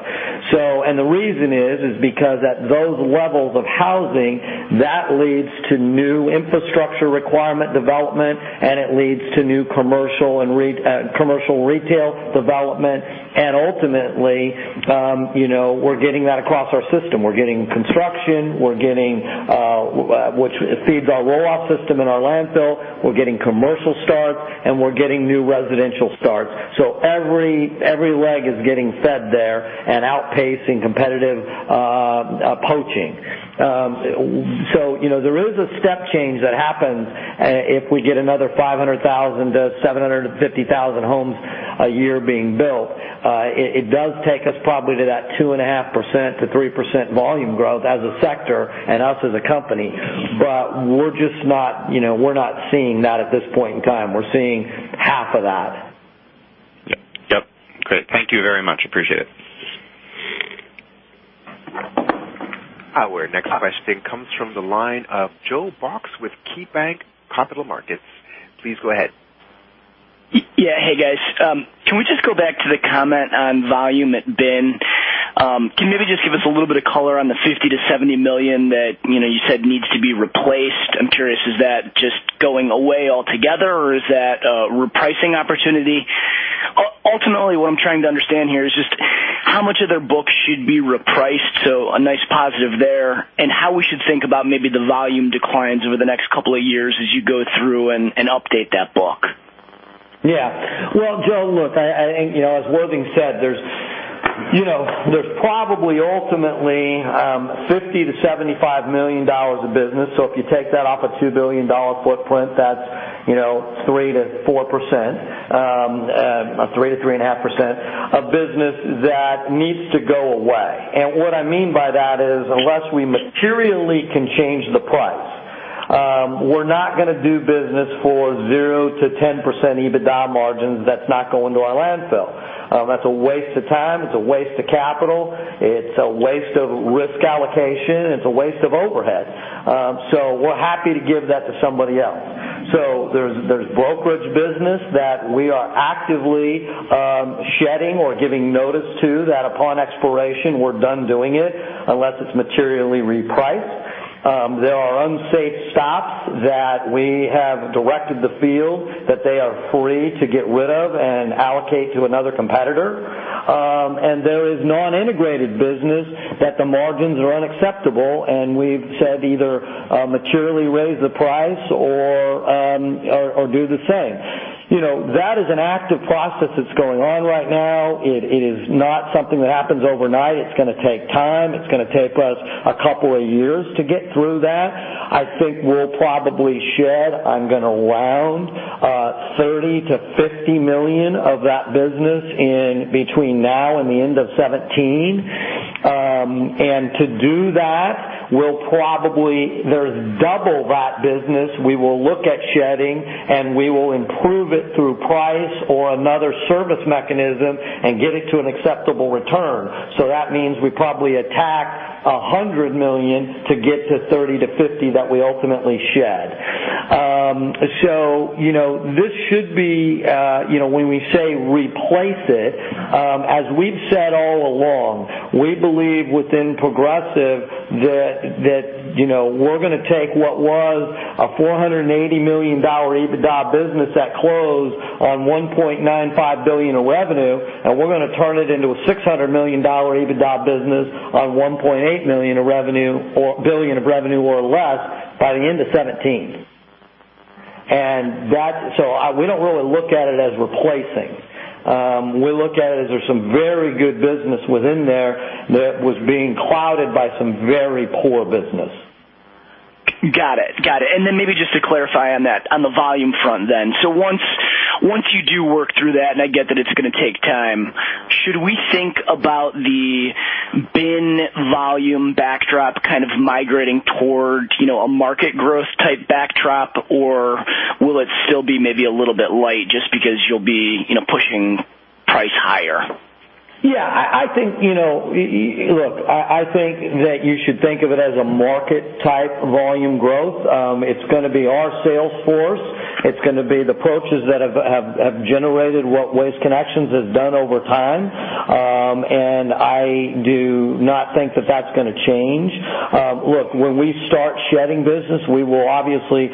[SPEAKER 2] The reason is because at those levels of housing, that leads to new infrastructure requirement development, and it leads to new commercial retail development, and ultimately, we're getting that across our system. We're getting construction, which feeds our roll-off system in our landfill. We're getting commercial starts, and we're getting new residential starts. Every leg is getting fed there and outpacing competitive poaching. There is a step change that happens if we get another 500,000-750,000 homes a year being built. It does take us probably to that 2.5%-3% volume growth as a sector and us as a company, we're not seeing that at this point in time. We're seeing half of that.
[SPEAKER 8] Yep. Great. Thank you very much. Appreciate it.
[SPEAKER 1] Our next question comes from the line of Joe Box with KeyBanc Capital Markets. Please go ahead.
[SPEAKER 9] Yeah. Hey, guys. Can we just go back to the comment on volume at BIN? Can you maybe just give us a little bit of color on the $50 million-$70 million that you said needs to be replaced? I'm curious, is that just going away altogether, or is that a repricing opportunity? Ultimately, what I'm trying to understand here is just how much of their book should be repriced, so a nice pop should think about maybe the volume declines over the next couple of years as you go through and update that book?
[SPEAKER 2] Yeah. Well, Joe, look, I think, as Worthing said, there's probably ultimately $50 million-$75 million of business. If you take that off a $2 billion footprint, that's 3%-3.5% of business that needs to go away. What I mean by that is, unless we materially can change the price, we're not going to do business for 0%-10% EBITDA margins that's not going to our landfill. That's a waste of time, it's a waste of capital, it's a waste of risk allocation, it's a waste of overhead. We're happy to give that to somebody else. There's brokerage business that we are actively shedding or giving notice to, that upon expiration, we're done doing it unless it's materially repriced. There are unsafe stops that we have directed the field that they are free to get rid of and allocate to another competitor. There is non-integrated business that the margins are unacceptable. We've said either materially raise the price or do the same. That is an active process that's going on right now. It is not something that happens overnight. It's going to take time. It's going to take us a couple of years to get through that. I think we'll probably shed, I'm going to round, $30 million-$50 million of that business in between now and the end of 2017. To do that, there's double that business we will look at shedding, and we will improve it through price or another service mechanism and get it to an acceptable return. That means we probably attack $100 million to get to $30 million-$50 million that we ultimately shed. This should be, when we say replace it, as we've said all along, we believe within Progressive that we're going to take what was a $480 million EBITDA business that closed on $1.95 billion of revenue. We're going to turn it into a $600 million EBITDA business on $1.8 billion of revenue or less by the end of 2017. We don't really look at it as replacing. We look at it as there's some very good business within there that was being clouded by some very poor business.
[SPEAKER 9] Got it. Maybe just to clarify on that, on the volume front then. Once you do work through that, and I get that it's going to take time, should we think about the BIN volume backdrop kind of migrating towards a market growth type backdrop, or will it still be maybe a little bit light just because you'll be pushing price higher?
[SPEAKER 2] Look, I think that you should think of it as a market type volume growth. It's going to be our sales force. It's going to be the approaches that have generated what Waste Connections has done over time. I do not think that that's going to change. Look, when we start shedding business, we will obviously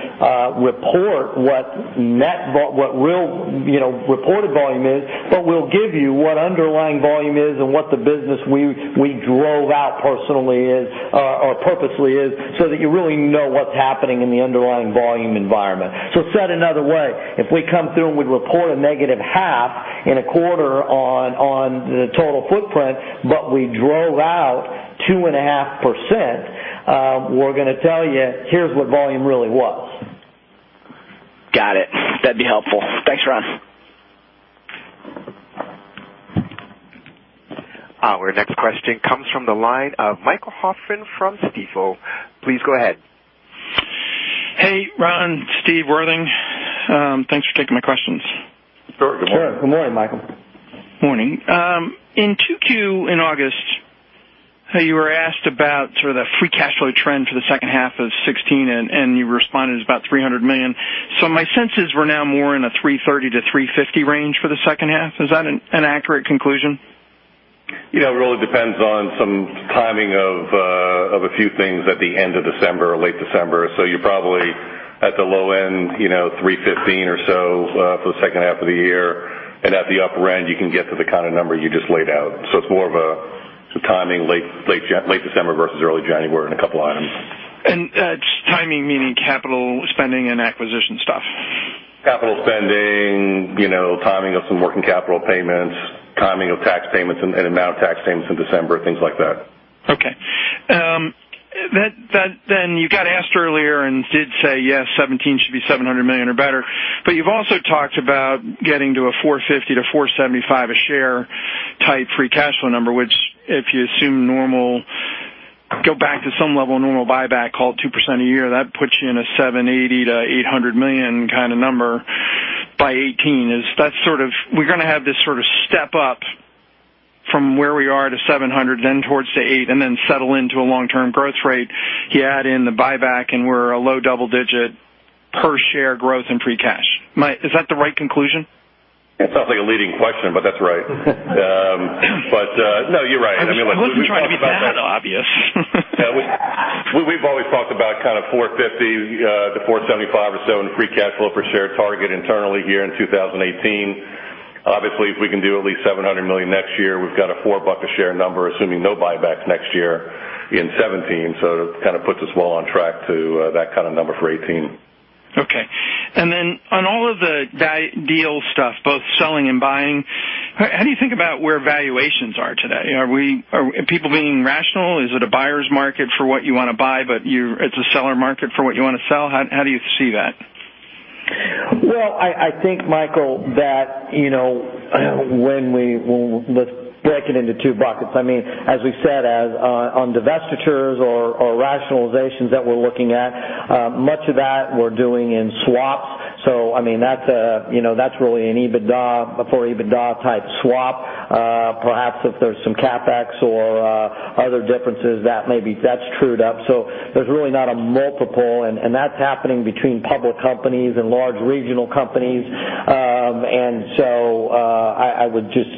[SPEAKER 2] report what real reported volume is, but we'll give you what underlying volume is and what the business we drove out purposely is so that you really know what's happening in the underlying volume environment. Said another way, if we come through and we report a negative half in a quarter on the total footprint, but we drove out 2.5%, we're going to tell you, here's what volume really was.
[SPEAKER 9] Got it. That'd be helpful. Thanks, Ron.
[SPEAKER 1] Our next question comes from the line of Michael Hoffman from Stifel. Please go ahead.
[SPEAKER 10] Hey, Ron, Steve, Worthing. Thanks for taking my questions.
[SPEAKER 3] Sure. Good morning.
[SPEAKER 2] Sure. Good morning, Michael.
[SPEAKER 10] Morning. In 2Q in August, you were asked about sort of the free cash flow trend for the second half of 2016, and you responded it's about 300 million. My sense is we're now more in a 330-350 range for the second half. Is that an accurate conclusion?
[SPEAKER 3] Yeah, it really depends on some timing of a few things at the end of December or late December. You're probably at the low end, 315 or so for the second half of the year. At the upper end, you can get to the kind of number you just laid out. It's more of a timing, late December versus early January on a couple items.
[SPEAKER 10] Timing meaning capital spending and acquisition stuff?
[SPEAKER 3] Capital spending, timing of some working capital payments, timing of tax payments, and amount of tax payments in December, things like that.
[SPEAKER 10] Okay. You got asked earlier and did say, yes, 2017 should be $700 million or better, you've also talked about getting to a $450-$475 a share type free cash flow number, which if you go back to some level of normal buyback, call it 2% a year, that puts you in a $780 million-$800 million kind of number by 2018. We're going to have this sort of step up from where we are to $700 million, then towards $800 million, and then settle into a long-term growth rate. You add in the buyback, we're a low double digit per share growth in free cash. Is that the right conclusion?
[SPEAKER 3] It sounds like a leading question, but that's right. No, you're right.
[SPEAKER 10] I wasn't trying to be that obvious.
[SPEAKER 3] We've always talked about kind of $450-$475 or so in free cash flow per share target internally here in 2018. If we can do at least $700 million next year, we've got a $4 a share number, assuming no buybacks next year in 2017. That kind of puts us well on track to that kind of number for 2018.
[SPEAKER 10] Okay. Then on all of the deal stuff, both selling and buying, how do you think about where valuations are today? Are people being rational? Is it a buyer's market for what you want to buy, but it's a seller market for what you want to sell? How do you see that?
[SPEAKER 2] Well, I think, Michael, let's break it into two buckets. As we said, on divestitures or rationalizations that we're looking at, much of that we're doing in swaps. That's really an EBITDA before EBITDA-type swap. Perhaps if there's some CapEx or other differences, that's trued up. There's really not a multiple, and that's happening between public companies and large regional companies. I would just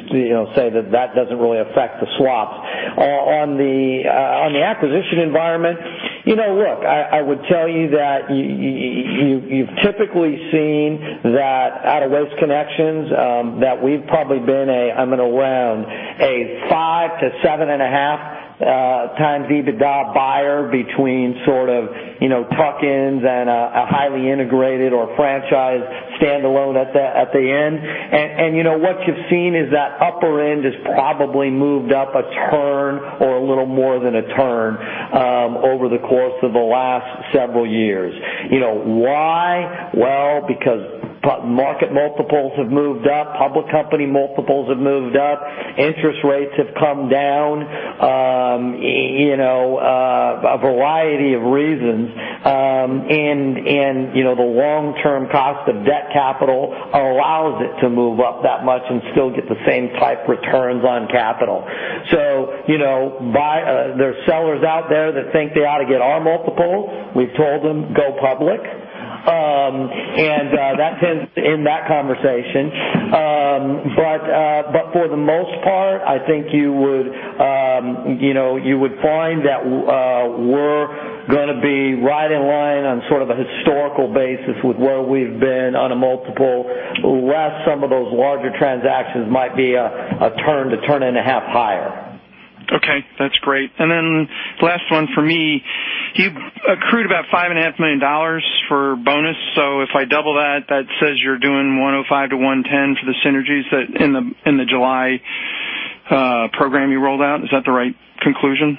[SPEAKER 2] say that that doesn't really affect the swaps. On the acquisition environment, look, I would tell you that you've typically seen that out of Waste Connections, that we've probably been a, I'm going to round, a five to seven and a half times EBITDA buyer between sort of tuck-ins and a highly integrated or franchised standalone at the end. What you've seen is that upper end has probably moved up a turn or a little more than a turn over the course of the last several years. Why? Well, because market multiples have moved up, public company multiples have moved up, interest rates have come down, a variety of reasons, and the long-term cost of debt capital allows it to move up that much and still get the same type returns on capital. There are sellers out there that think they ought to get our multiple. We've told them go public, and that tends to end that conversation. For the most part, I think you would find that we're going to be right in line on sort of a historical basis with where we've been on a multiple, whilst some of those larger transactions might be a turn to turn and a half higher.
[SPEAKER 10] Okay, that's great. Last one for me, you accrued about 5.5 million dollars for bonus, if I double that says you're doing 105-110 for the synergies in the July program you rolled out. Is that the right conclusion?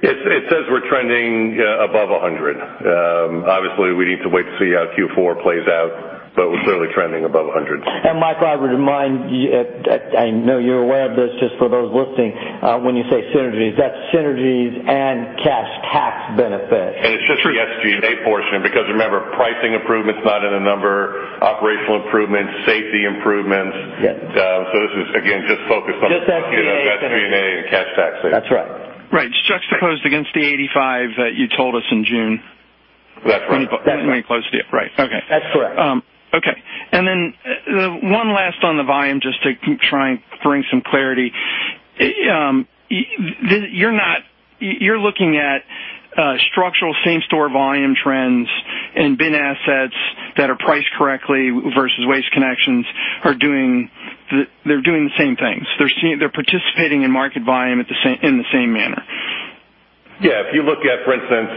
[SPEAKER 3] It says we're trending above 100. Obviously, we need to wait to see how Q4 plays out, we're clearly trending above 100.
[SPEAKER 2] Michael, I would remind you, I know you're aware of this, just for those listening, when you say synergies, that's synergies and cash tax benefits.
[SPEAKER 3] It's just the SG&A portion, because remember, pricing improvement's not in a number, operational improvements, safety improvements.
[SPEAKER 2] Yes.
[SPEAKER 3] This is, again, just focused on.
[SPEAKER 2] Just SG&A.
[SPEAKER 3] SG&A and cash tax savings.
[SPEAKER 2] That's right.
[SPEAKER 10] Right. Juxtaposed against the 85 that you told us in June.
[SPEAKER 3] That's right.
[SPEAKER 2] That's right.
[SPEAKER 10] When we closed the deal. Right. Okay.
[SPEAKER 2] That's correct.
[SPEAKER 10] Okay. Then one last on the volume, just to try and bring some clarity. You're looking at structural same-store volume trends and bin assets that are priced correctly versus Waste Connections, they're doing the same things. They're participating in market volume in the same manner.
[SPEAKER 3] Yeah. If you look at, for instance,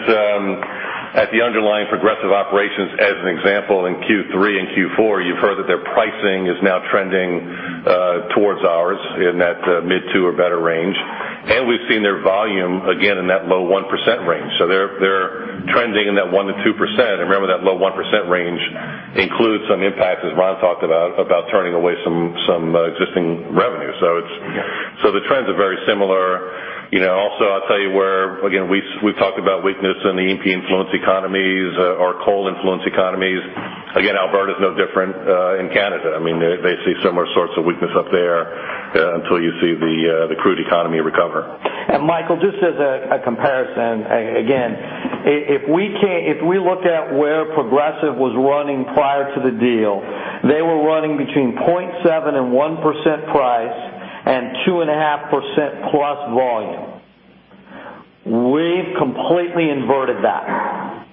[SPEAKER 3] at the underlying Progressive operations as an example in Q3 and Q4, you've heard that their pricing is now trending towards ours in that mid two or better range. We've seen their volume again in that low 1% range. They're trending in that 1% to 2%. Remember that low 1% range includes some impact, as Ron talked about turning away some existing revenue. The trends are very similar. Also, I'll tell you where, again, we've talked about weakness in the E&P influence economies or coal influence economies. Again, Alberta is no different in Canada. They see similar sorts of weakness up there until you see the crude economy recover.
[SPEAKER 2] Michael, just as a comparison, again, if we looked at where Progressive was running prior to the deal, they were running between 0.7% and 1% price and 2.5% plus volume. We've completely inverted that.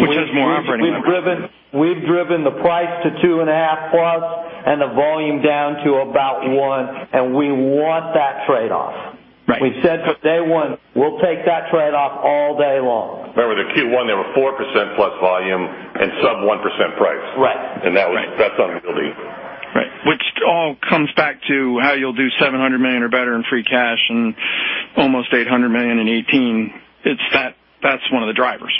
[SPEAKER 10] Which is more operating numbers.
[SPEAKER 2] We've driven the price to two and a half plus and the volume down to about one, and we want that trade-off.
[SPEAKER 10] Right.
[SPEAKER 2] We said from day one, we'll take that trade-off all day long.
[SPEAKER 3] Remember the Q1, they were 4% plus volume and sub 1% price.
[SPEAKER 2] Right.
[SPEAKER 3] That's on.
[SPEAKER 10] Right. Which all comes back to how you'll do $700 million or better in free cash and almost $800 million in 2018. That's one of the drivers.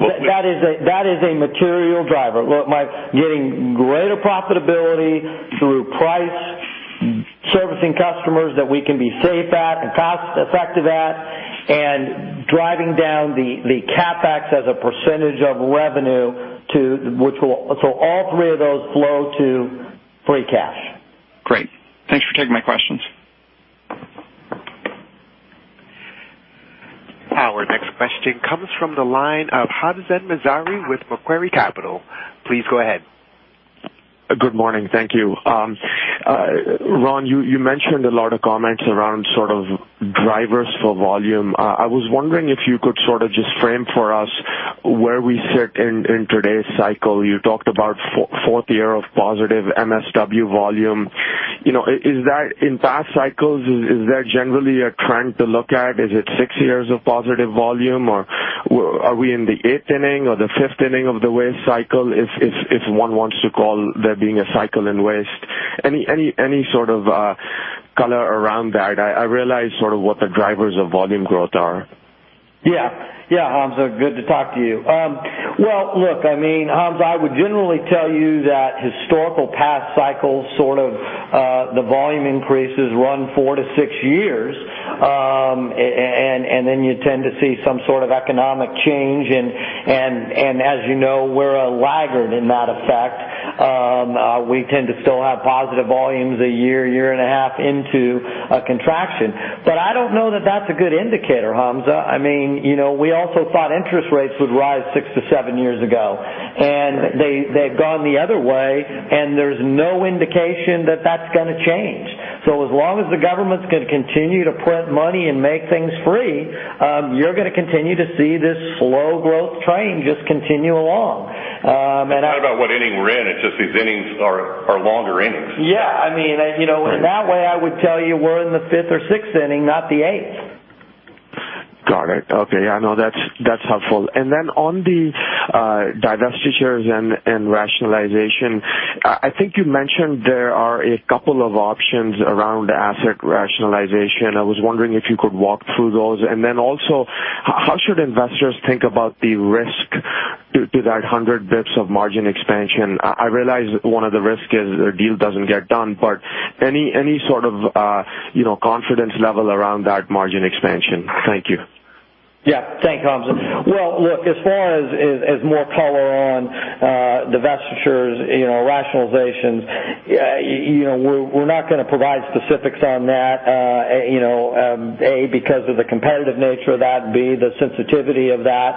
[SPEAKER 2] That is a material driver. Look, Mike, getting greater profitability through price, servicing customers that we can be safe at and cost effective at, and driving down the CapEx as a percentage of revenue, all three of those flow to free cash.
[SPEAKER 10] Great. Thanks for taking my questions.
[SPEAKER 1] Our next question comes from the line of Hamzah Mazari with Macquarie Capital. Please go ahead.
[SPEAKER 11] Good morning. Thank you. Ron, you mentioned a lot of comments around sort of drivers for volume. I was wondering if you could sort of just frame for us where we sit in today's cycle. You talked about fourth year of positive MSW volume. In past cycles, is that generally a trend to look at? Is it six years of positive volume, or are we in the eighth inning or the fifth inning of the waste cycle? If one wants to call there being a cycle in waste. Any sort of color around that? I realize sort of what the drivers of volume growth are.
[SPEAKER 2] Yeah. Hamzah, good to talk to you. Well, look, Hamzah, I would generally tell you that historical past cycles, sort of the volume increases run 4-6 years, and then you tend to see some sort of economic change, and as you know, we're a laggard in that effect. We tend to still have positive volumes a year and a half into a contraction. I don't know that that's a good indicator, Hamzah. We also thought interest rates would rise 6-7 years ago, and they've gone the other way, and there's no indication that that's going to change. As long as the government's going to continue to print money and make things free, you're going to continue to see this slow growth train just continue along.
[SPEAKER 3] It's not about what inning we're in, it's just these innings are longer innings.
[SPEAKER 2] Yeah. In that way, I would tell you we're in the fifth or sixth inning, not the eighth.
[SPEAKER 11] Got it. Okay. Yeah, no, that's helpful. On the divestitures and rationalization, I think you mentioned there are a couple of options around asset rationalization. I was wondering if you could walk through those. Also, how should investors think about the risk to that 100 basis points of margin expansion? I realize one of the risks is a deal doesn't get done, but any sort of confidence level around that margin expansion? Thank you.
[SPEAKER 2] Yeah. Thanks, Hamzah. Well, look, as far as more color on divestitures, rationalizations, we're not going to provide specifics on that, A, because of the competitive nature of that, B, the sensitivity of that,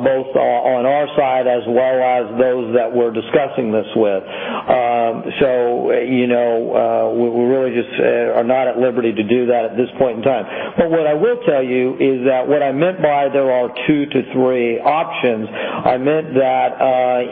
[SPEAKER 2] both on our side as well as those that we're discussing this with. We really just are not at liberty to do that at this point in time. What I will tell you is that what I meant by there are two to three options, I meant that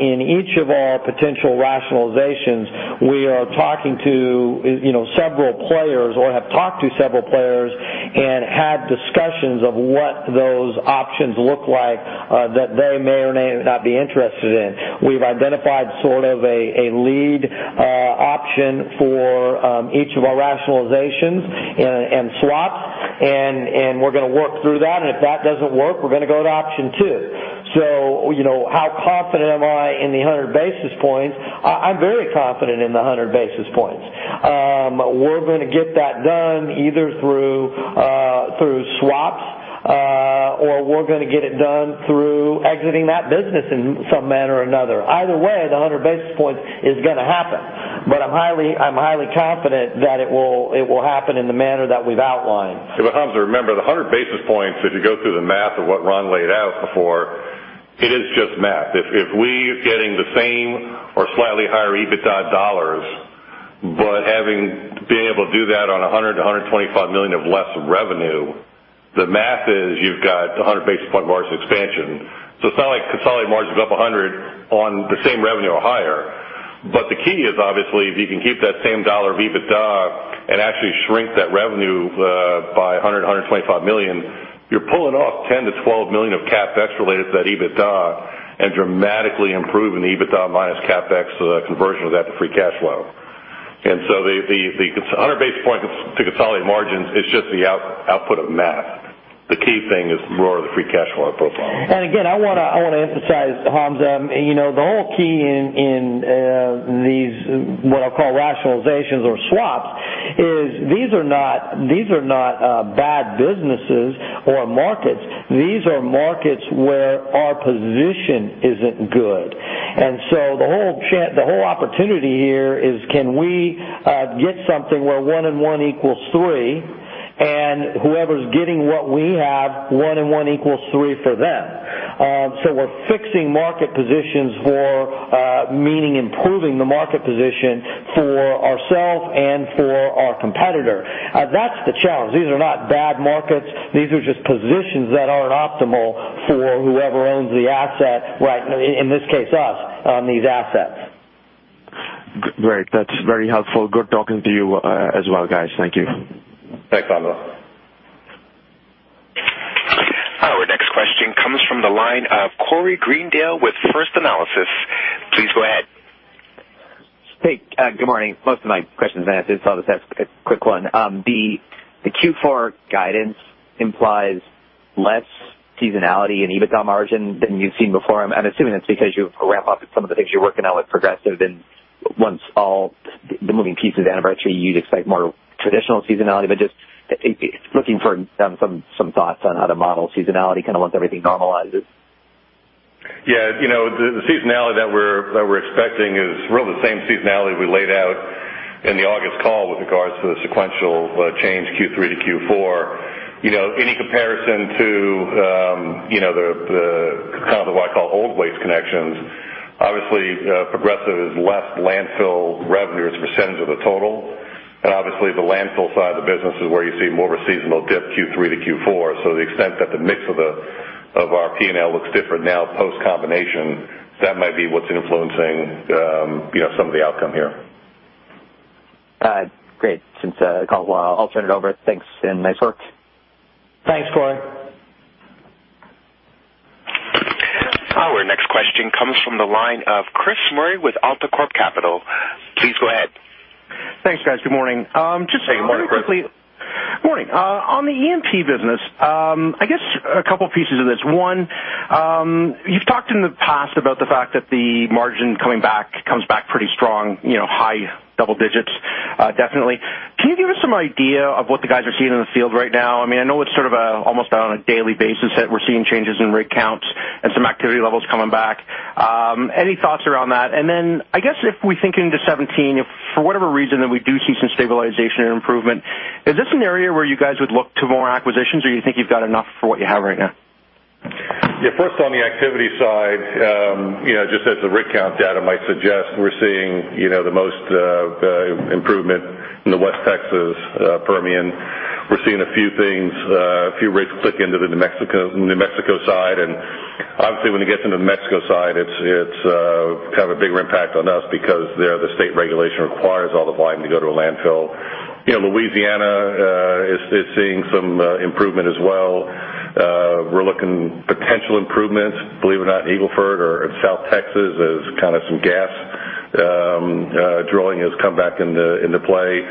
[SPEAKER 2] in each of our potential rationalizations, we are talking to several players or have talked to several players and had discussions of what those options look like that they may or may not be interested in. We've identified sort of a lead option for each of our rationalizations and swaps, and we're going to work through that, and if that doesn't work, we're going to go to option 2. How confident am I in the 100 basis points? I'm very confident in the 100 basis points. We're going to get that done either through swaps or we're going to get it done through exiting that business in some manner or another. Either way, the 100 basis points is going to happen. I'm highly confident that it will happen in the manner that we've outlined.
[SPEAKER 3] Hamzah, remember, the 100 basis points, if you go through the math of what Ron laid out before, it is just math. If we're getting the same or slightly higher EBITDA dollars, being able to do that on $100 million-$125 million of less revenue, the math is you've got 100 basis point margin expansion. It's not like consolidated margins up 100 on the same revenue or higher. The key is obviously, if you can keep that same dollar of EBITDA and actually shrink that revenue by $100 million-$125 million, you're pulling off $10 million-$12 million of CapEx related to that EBITDA and dramatically improving the EBITDA minus CapEx conversion of that to free cash flow. The 100 basis points to consolidate margins is just the output of math. The key thing is more of the free cash flow profile.
[SPEAKER 2] Again, I want to emphasize, Hamzah, the whole key in these, what I'll call rationalizations or swaps, is these are not bad businesses or markets. These are markets where our position isn't good. The whole opportunity here is can we get something where one and one equals three, and whoever's getting what we have, one and one equals three for them. We're fixing market positions for, meaning improving the market position, for ourselves and for our competitor. That's the challenge. These are not bad markets. These are just positions that aren't optimal for whoever owns the asset, in this case, us, on these assets.
[SPEAKER 11] Great. That's very helpful. Good talking to you as well, guys. Thank you.
[SPEAKER 3] Thanks, Hamzah.
[SPEAKER 1] Our next question comes from the line of Corey Greendale with First Analysis. Please go ahead.
[SPEAKER 12] Hey, good morning. Most of my questions are answered, so I'll just ask a quick one. The Q4 guidance implies less seasonality in EBITDA margin than you've seen before. I'm assuming it's because you've ramped up some of the things you're working on with Progressive, and once all the moving pieces anniversary, you'd expect more traditional seasonality. Just looking for some thoughts on how to model seasonality once everything normalizes.
[SPEAKER 3] Yeah. The seasonality that we're expecting is really the same seasonality we laid out in the August With regards to the sequential change Q3 to Q4, any comparison to the, what I call old Waste Connections, obviously Progressive is less landfill revenue as a percentage of the total. Obviously the landfill side of the business is where you see more of a seasonal dip Q3 to Q4. The extent that the mix of our P&L looks different now post-combination, that might be what's influencing some of the outcome here.
[SPEAKER 12] Great. Since I called, I'll turn it over. Thanks, and nice work.
[SPEAKER 2] Thanks, Corey.
[SPEAKER 1] Our next question comes from the line of Chris Murray with AltaCorp Capital. Please go ahead.
[SPEAKER 13] Thanks, guys. Good morning.
[SPEAKER 3] Hey, morning, Chris.
[SPEAKER 13] Morning. On the E&P business, I guess a couple pieces of this. One, you've talked in the past about the fact that the margin coming back comes back pretty strong, high double digits, definitely. Can you give us some idea of what the guys are seeing in the field right now? I know it's sort of almost on a daily basis that we're seeing changes in rig counts and some activity levels coming back. Any thoughts around that? I guess if we think into 2017, if for whatever reason that we do see some stabilization or improvement, is this an area where you guys would look to more acquisitions or you think you've got enough for what you have right now?
[SPEAKER 3] First on the activity side, just as the rig count data might suggest, we're seeing the most improvement in the West Texas Permian. We're seeing a few things, a few rigs click into the New Mexico side, and obviously when you get to the New Mexico side, it's kind of a bigger impact on us because there the state regulation requires all the volume to go to a landfill. Louisiana is seeing some improvement as well. We're looking potential improvements, believe it or not, in Eagle Ford or in South Texas as kind of some gas drilling has come back into play.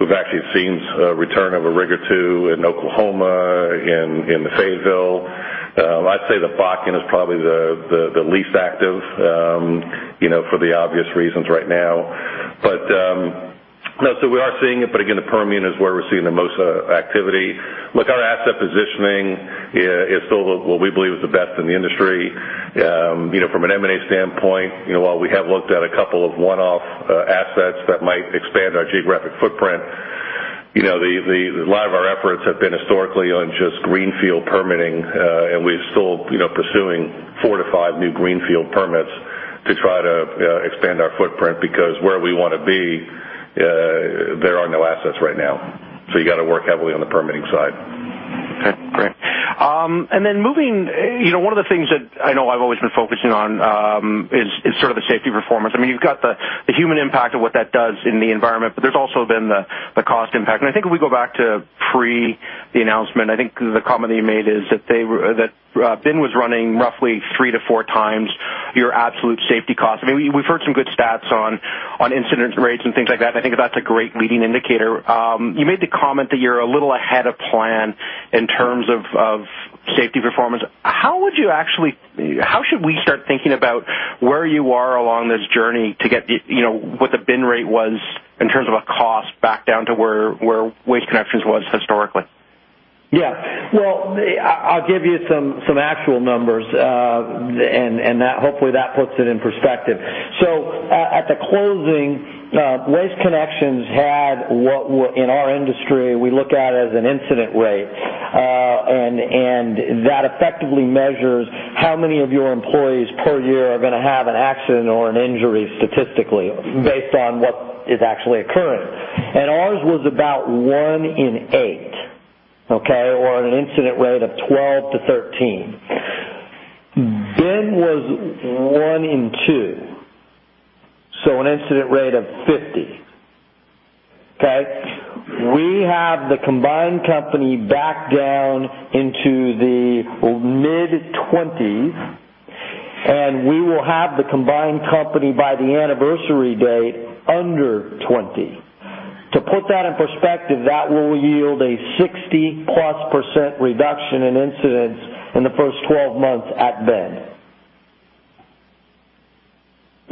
[SPEAKER 3] We've actually seen a return of a rig or two in Oklahoma, in the Fayetteville. I'd say the Bakken is probably the least active, for the obvious reasons right now. We are seeing it, but again, the Permian is where we're seeing the most activity. Our asset positioning is still what we believe is the best in the industry. From an M&A standpoint, while we have looked at a couple of one-off assets that might expand our geographic footprint, a lot of our efforts have been historically on just greenfield permitting, and we're still pursuing four to five new greenfield permits to try to expand our footprint because where we want to be, there are no assets right now. You got to work heavily on the permitting side.
[SPEAKER 13] Great. Moving, one of the things that I know I've always been focusing on is sort of the safety performance. You've got the human impact of what that does in the environment, but there's also been the cost impact. I think if we go back to pre the announcement, I think the comment that you made is that BIN was running roughly three to four times your absolute safety cost. We've heard some good stats on incident rates and things like that, and I think that's a great leading indicator. You made the comment that you're a little ahead of plan in terms of safety performance. How should we start thinking about where you are along this journey to get what the BIN rate was in terms of a cost back down to where Waste Connections was historically?
[SPEAKER 2] Well, I'll give you some actual numbers, hopefully that puts it in perspective. At the closing, Waste Connections had what, in our industry, we look at as an incident rate, that effectively measures how many of your employees per year are going to have an accident or an injury statistically based on what is actually occurring. Ours was about one in eight. Okay? Or an incident rate of 12-13. BIN was one in two, so an incident rate of 50. Okay? We have the combined company back down into the mid-20s, we will have the combined company by the anniversary date under 20. To put that in perspective, that will yield a 60-plus% reduction in incidents in the first 12 months at BIN.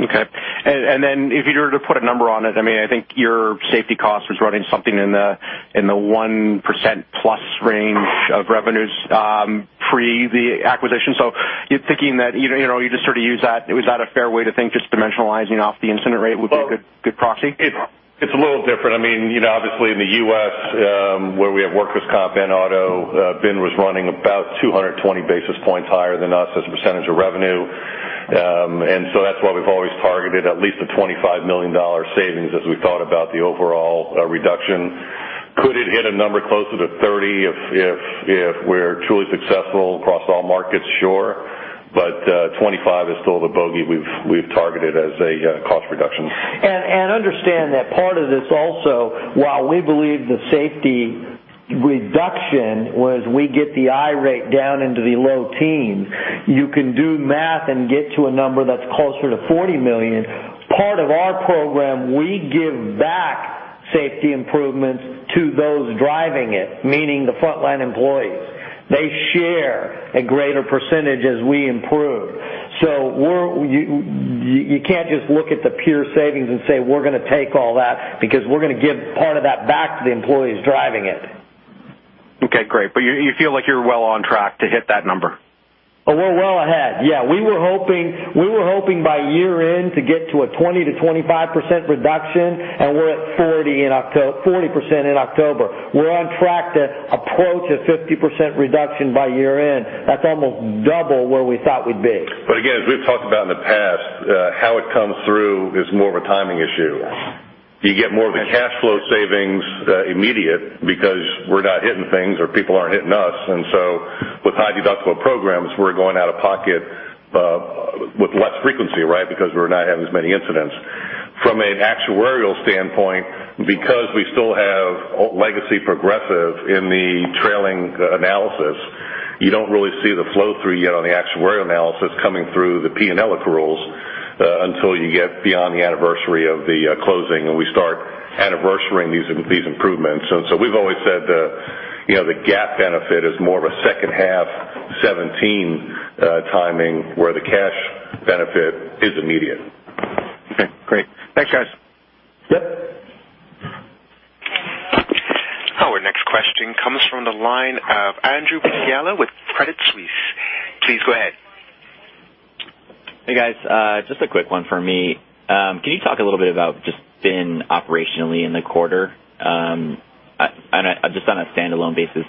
[SPEAKER 13] Okay. Then if you were to put a number on it, I think your safety cost was running something in the 1%-plus range of revenues, pre the acquisition. You're thinking that you just sort of use that. Was that a fair way to think, just dimensionalizing off the incident rate would be a good proxy?
[SPEAKER 3] It's a little different. Obviously in the U.S., where we have workers' comp and auto, BIN was running about 220 basis points higher than us as a percentage of revenue. That's why we've always targeted at least a $25 million savings as we thought about the overall reduction. Could it hit a number closer to 30 if we're truly successful across all markets? Sure. 25 is still the bogey we've targeted as a cost reduction.
[SPEAKER 2] Understand that part of this also, while we believe the safety reduction was we get the I rate down into the low teens, you can do math and get to a number that's closer to $40 million. Part of our program, we give back safety improvements to those driving it, meaning the frontline employees. They share a greater percentage as we improve. You can't just look at the pure savings and say we're going to take all that because we're going to give part of that back to the employees driving it.
[SPEAKER 13] Okay, great. You feel like you're well on track to hit that number?
[SPEAKER 2] We're well ahead. Yeah, we were hoping by year-end to get to a 20%-25% reduction, and we're at 40% in October. We're on track to approach a 50% reduction by year-end. That's almost double where we thought we'd be.
[SPEAKER 3] Again, as we've talked about in the past, how it comes through is more of a timing issue.
[SPEAKER 2] Yeah.
[SPEAKER 3] You get more of the cash flow savings immediate because we're not hitting things or people aren't hitting us. With high deductible programs, we're going out of pocket with less frequency, right? Because we're not having as many incidents. From an actuarial standpoint, because we still have legacy Progressive in the trailing analysis, you don't really see the flow through yet on the actuarial analysis coming through the P&L rules until you get beyond the anniversary of the closing, and we start anniversarying these improvements. We've always said the GAAP benefit is more of a second half 2017 timing, where the cash benefit is immediate.
[SPEAKER 13] Okay, great. Thanks, guys.
[SPEAKER 2] Yep.
[SPEAKER 1] Our next question comes from the line of Andrew Buscaglia with Credit Suisse. Please go ahead.
[SPEAKER 14] Hey, guys. Just a quick one for me. Can you talk a little bit about just BIN operationally in the quarter? Just on a standalone basis,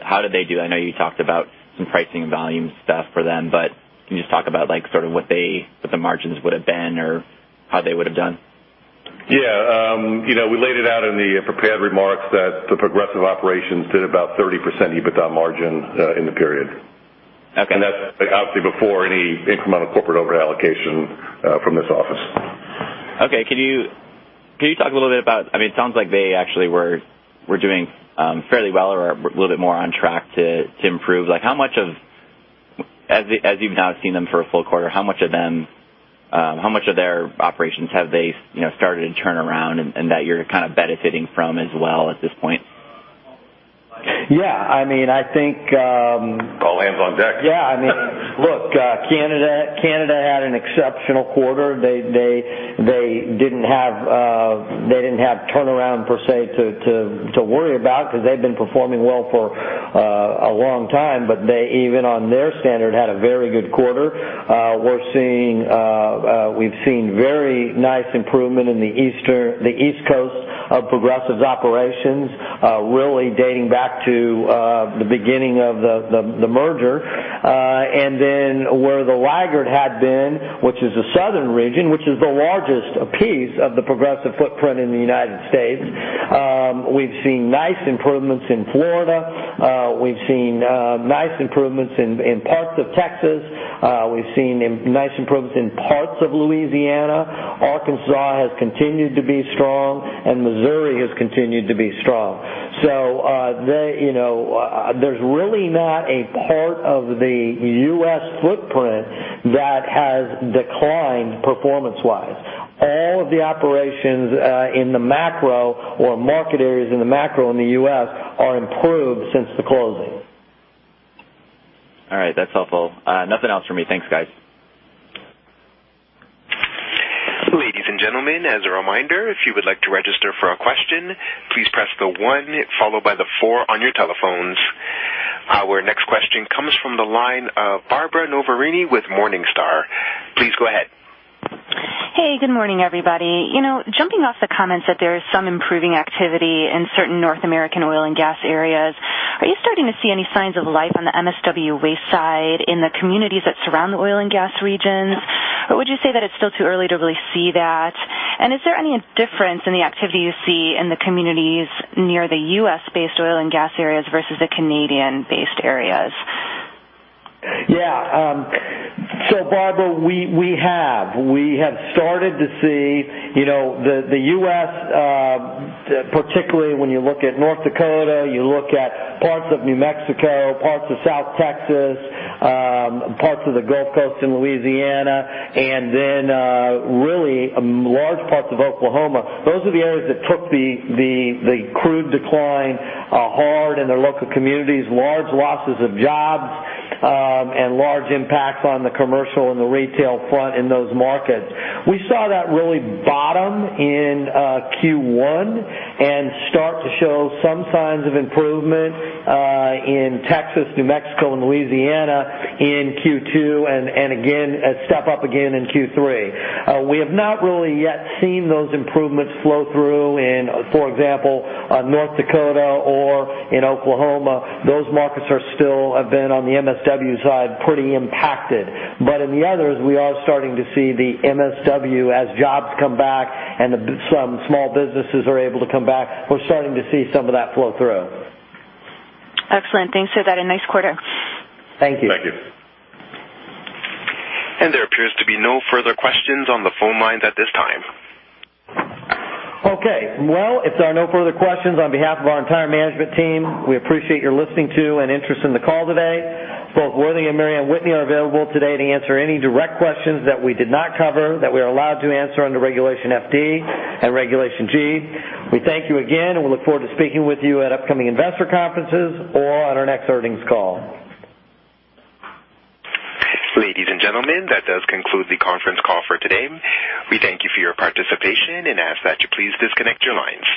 [SPEAKER 14] how did they do? I know you talked about some pricing volume stuff for them, but can you just talk about what the margins would've been or how they would've done?
[SPEAKER 3] Yeah. We laid it out in the prepared remarks that the Progressive operations did about 30% EBITDA margin in the period.
[SPEAKER 14] Okay.
[SPEAKER 3] That's obviously before any incremental corporate over allocation from this office.
[SPEAKER 14] Okay. Can you talk a little bit about, it sounds like they actually were doing fairly well or are a little bit more on track to improve. As you've now seen them for a full quarter, how much of their operations have they started to turn around and that you're kind of benefiting from as well at this point?
[SPEAKER 2] Yeah.
[SPEAKER 3] All hands on deck.
[SPEAKER 2] Yeah. Look, Canada had an exceptional quarter. They didn't have turnaround per se to worry about because they've been performing well for a long time. They even on their standard, had a very good quarter. We've seen very nice improvement in the East Coast of Progressive's operations, really dating back to the beginning of the merger. Where the laggard had been, which is the southern region, which is the largest piece of the Progressive footprint in the United States. We've seen nice improvements in Florida. We've seen nice improvements in parts of Texas. We've seen nice improvements in parts of Louisiana. Arkansas has continued to be strong, and Missouri has continued to be strong. There's really not a part of the U.S. footprint that has declined performance-wise. All of the operations in the macro or market areas in the macro in the U.S. are improved since the closing.
[SPEAKER 14] All right, that's helpful. Nothing else for me. Thanks, guys.
[SPEAKER 1] Ladies and gentlemen, as a reminder, if you would like to register for a question, please press the one followed by the four on your telephones. Our next question comes from the line of Barbara Noverini with Morningstar. Please go ahead.
[SPEAKER 15] Hey, good morning, everybody. Jumping off the comments that there is some improving activity in certain North American oil and gas areas, are you starting to see any signs of life on the MSW waste side in the communities that surround the oil and gas regions? Would you say that it's still too early to really see that? Is there any difference in the activity you see in the communities near the U.S.-based oil and gas areas versus the Canadian-based areas?
[SPEAKER 2] Yeah. Barbara, we have. We have started to see the U.S., particularly when you look at North Dakota, you look at parts of New Mexico, parts of South Texas, parts of the Gulf Coast in Louisiana, really large parts of Oklahoma. Those are the areas that took the crude decline hard in their local communities, large losses of jobs, and large impacts on the commercial and the retail front in those markets. We saw that really bottom in Q1 and start to show some signs of improvement, in Texas, New Mexico, and Louisiana in Q2, and step up again in Q3. We have not really yet seen those improvements flow through in, for example, North Dakota or in Oklahoma. Those markets still have been on the MSW side, pretty impacted. In the others, we are starting to see the MSW as jobs come back and some small businesses are able to come back. We're starting to see some of that flow through.
[SPEAKER 15] Excellent. Thanks for that and nice quarter.
[SPEAKER 2] Thank you.
[SPEAKER 3] Thank you.
[SPEAKER 1] There appears to be no further questions on the phone lines at this time.
[SPEAKER 2] Okay. Well, if there are no further questions, on behalf of our entire management team, we appreciate your listening to and interest in the call today. Both Worthy and Mary Anne Whitney are available today to answer any direct questions that we did not cover that we are allowed to answer under Regulation FD and Regulation G. We thank you again, and we look forward to speaking with you at upcoming investor conferences or at our next earnings call.
[SPEAKER 1] Ladies and gentlemen, that does conclude the conference call for today. We thank you for your participation and ask that you please disconnect your lines.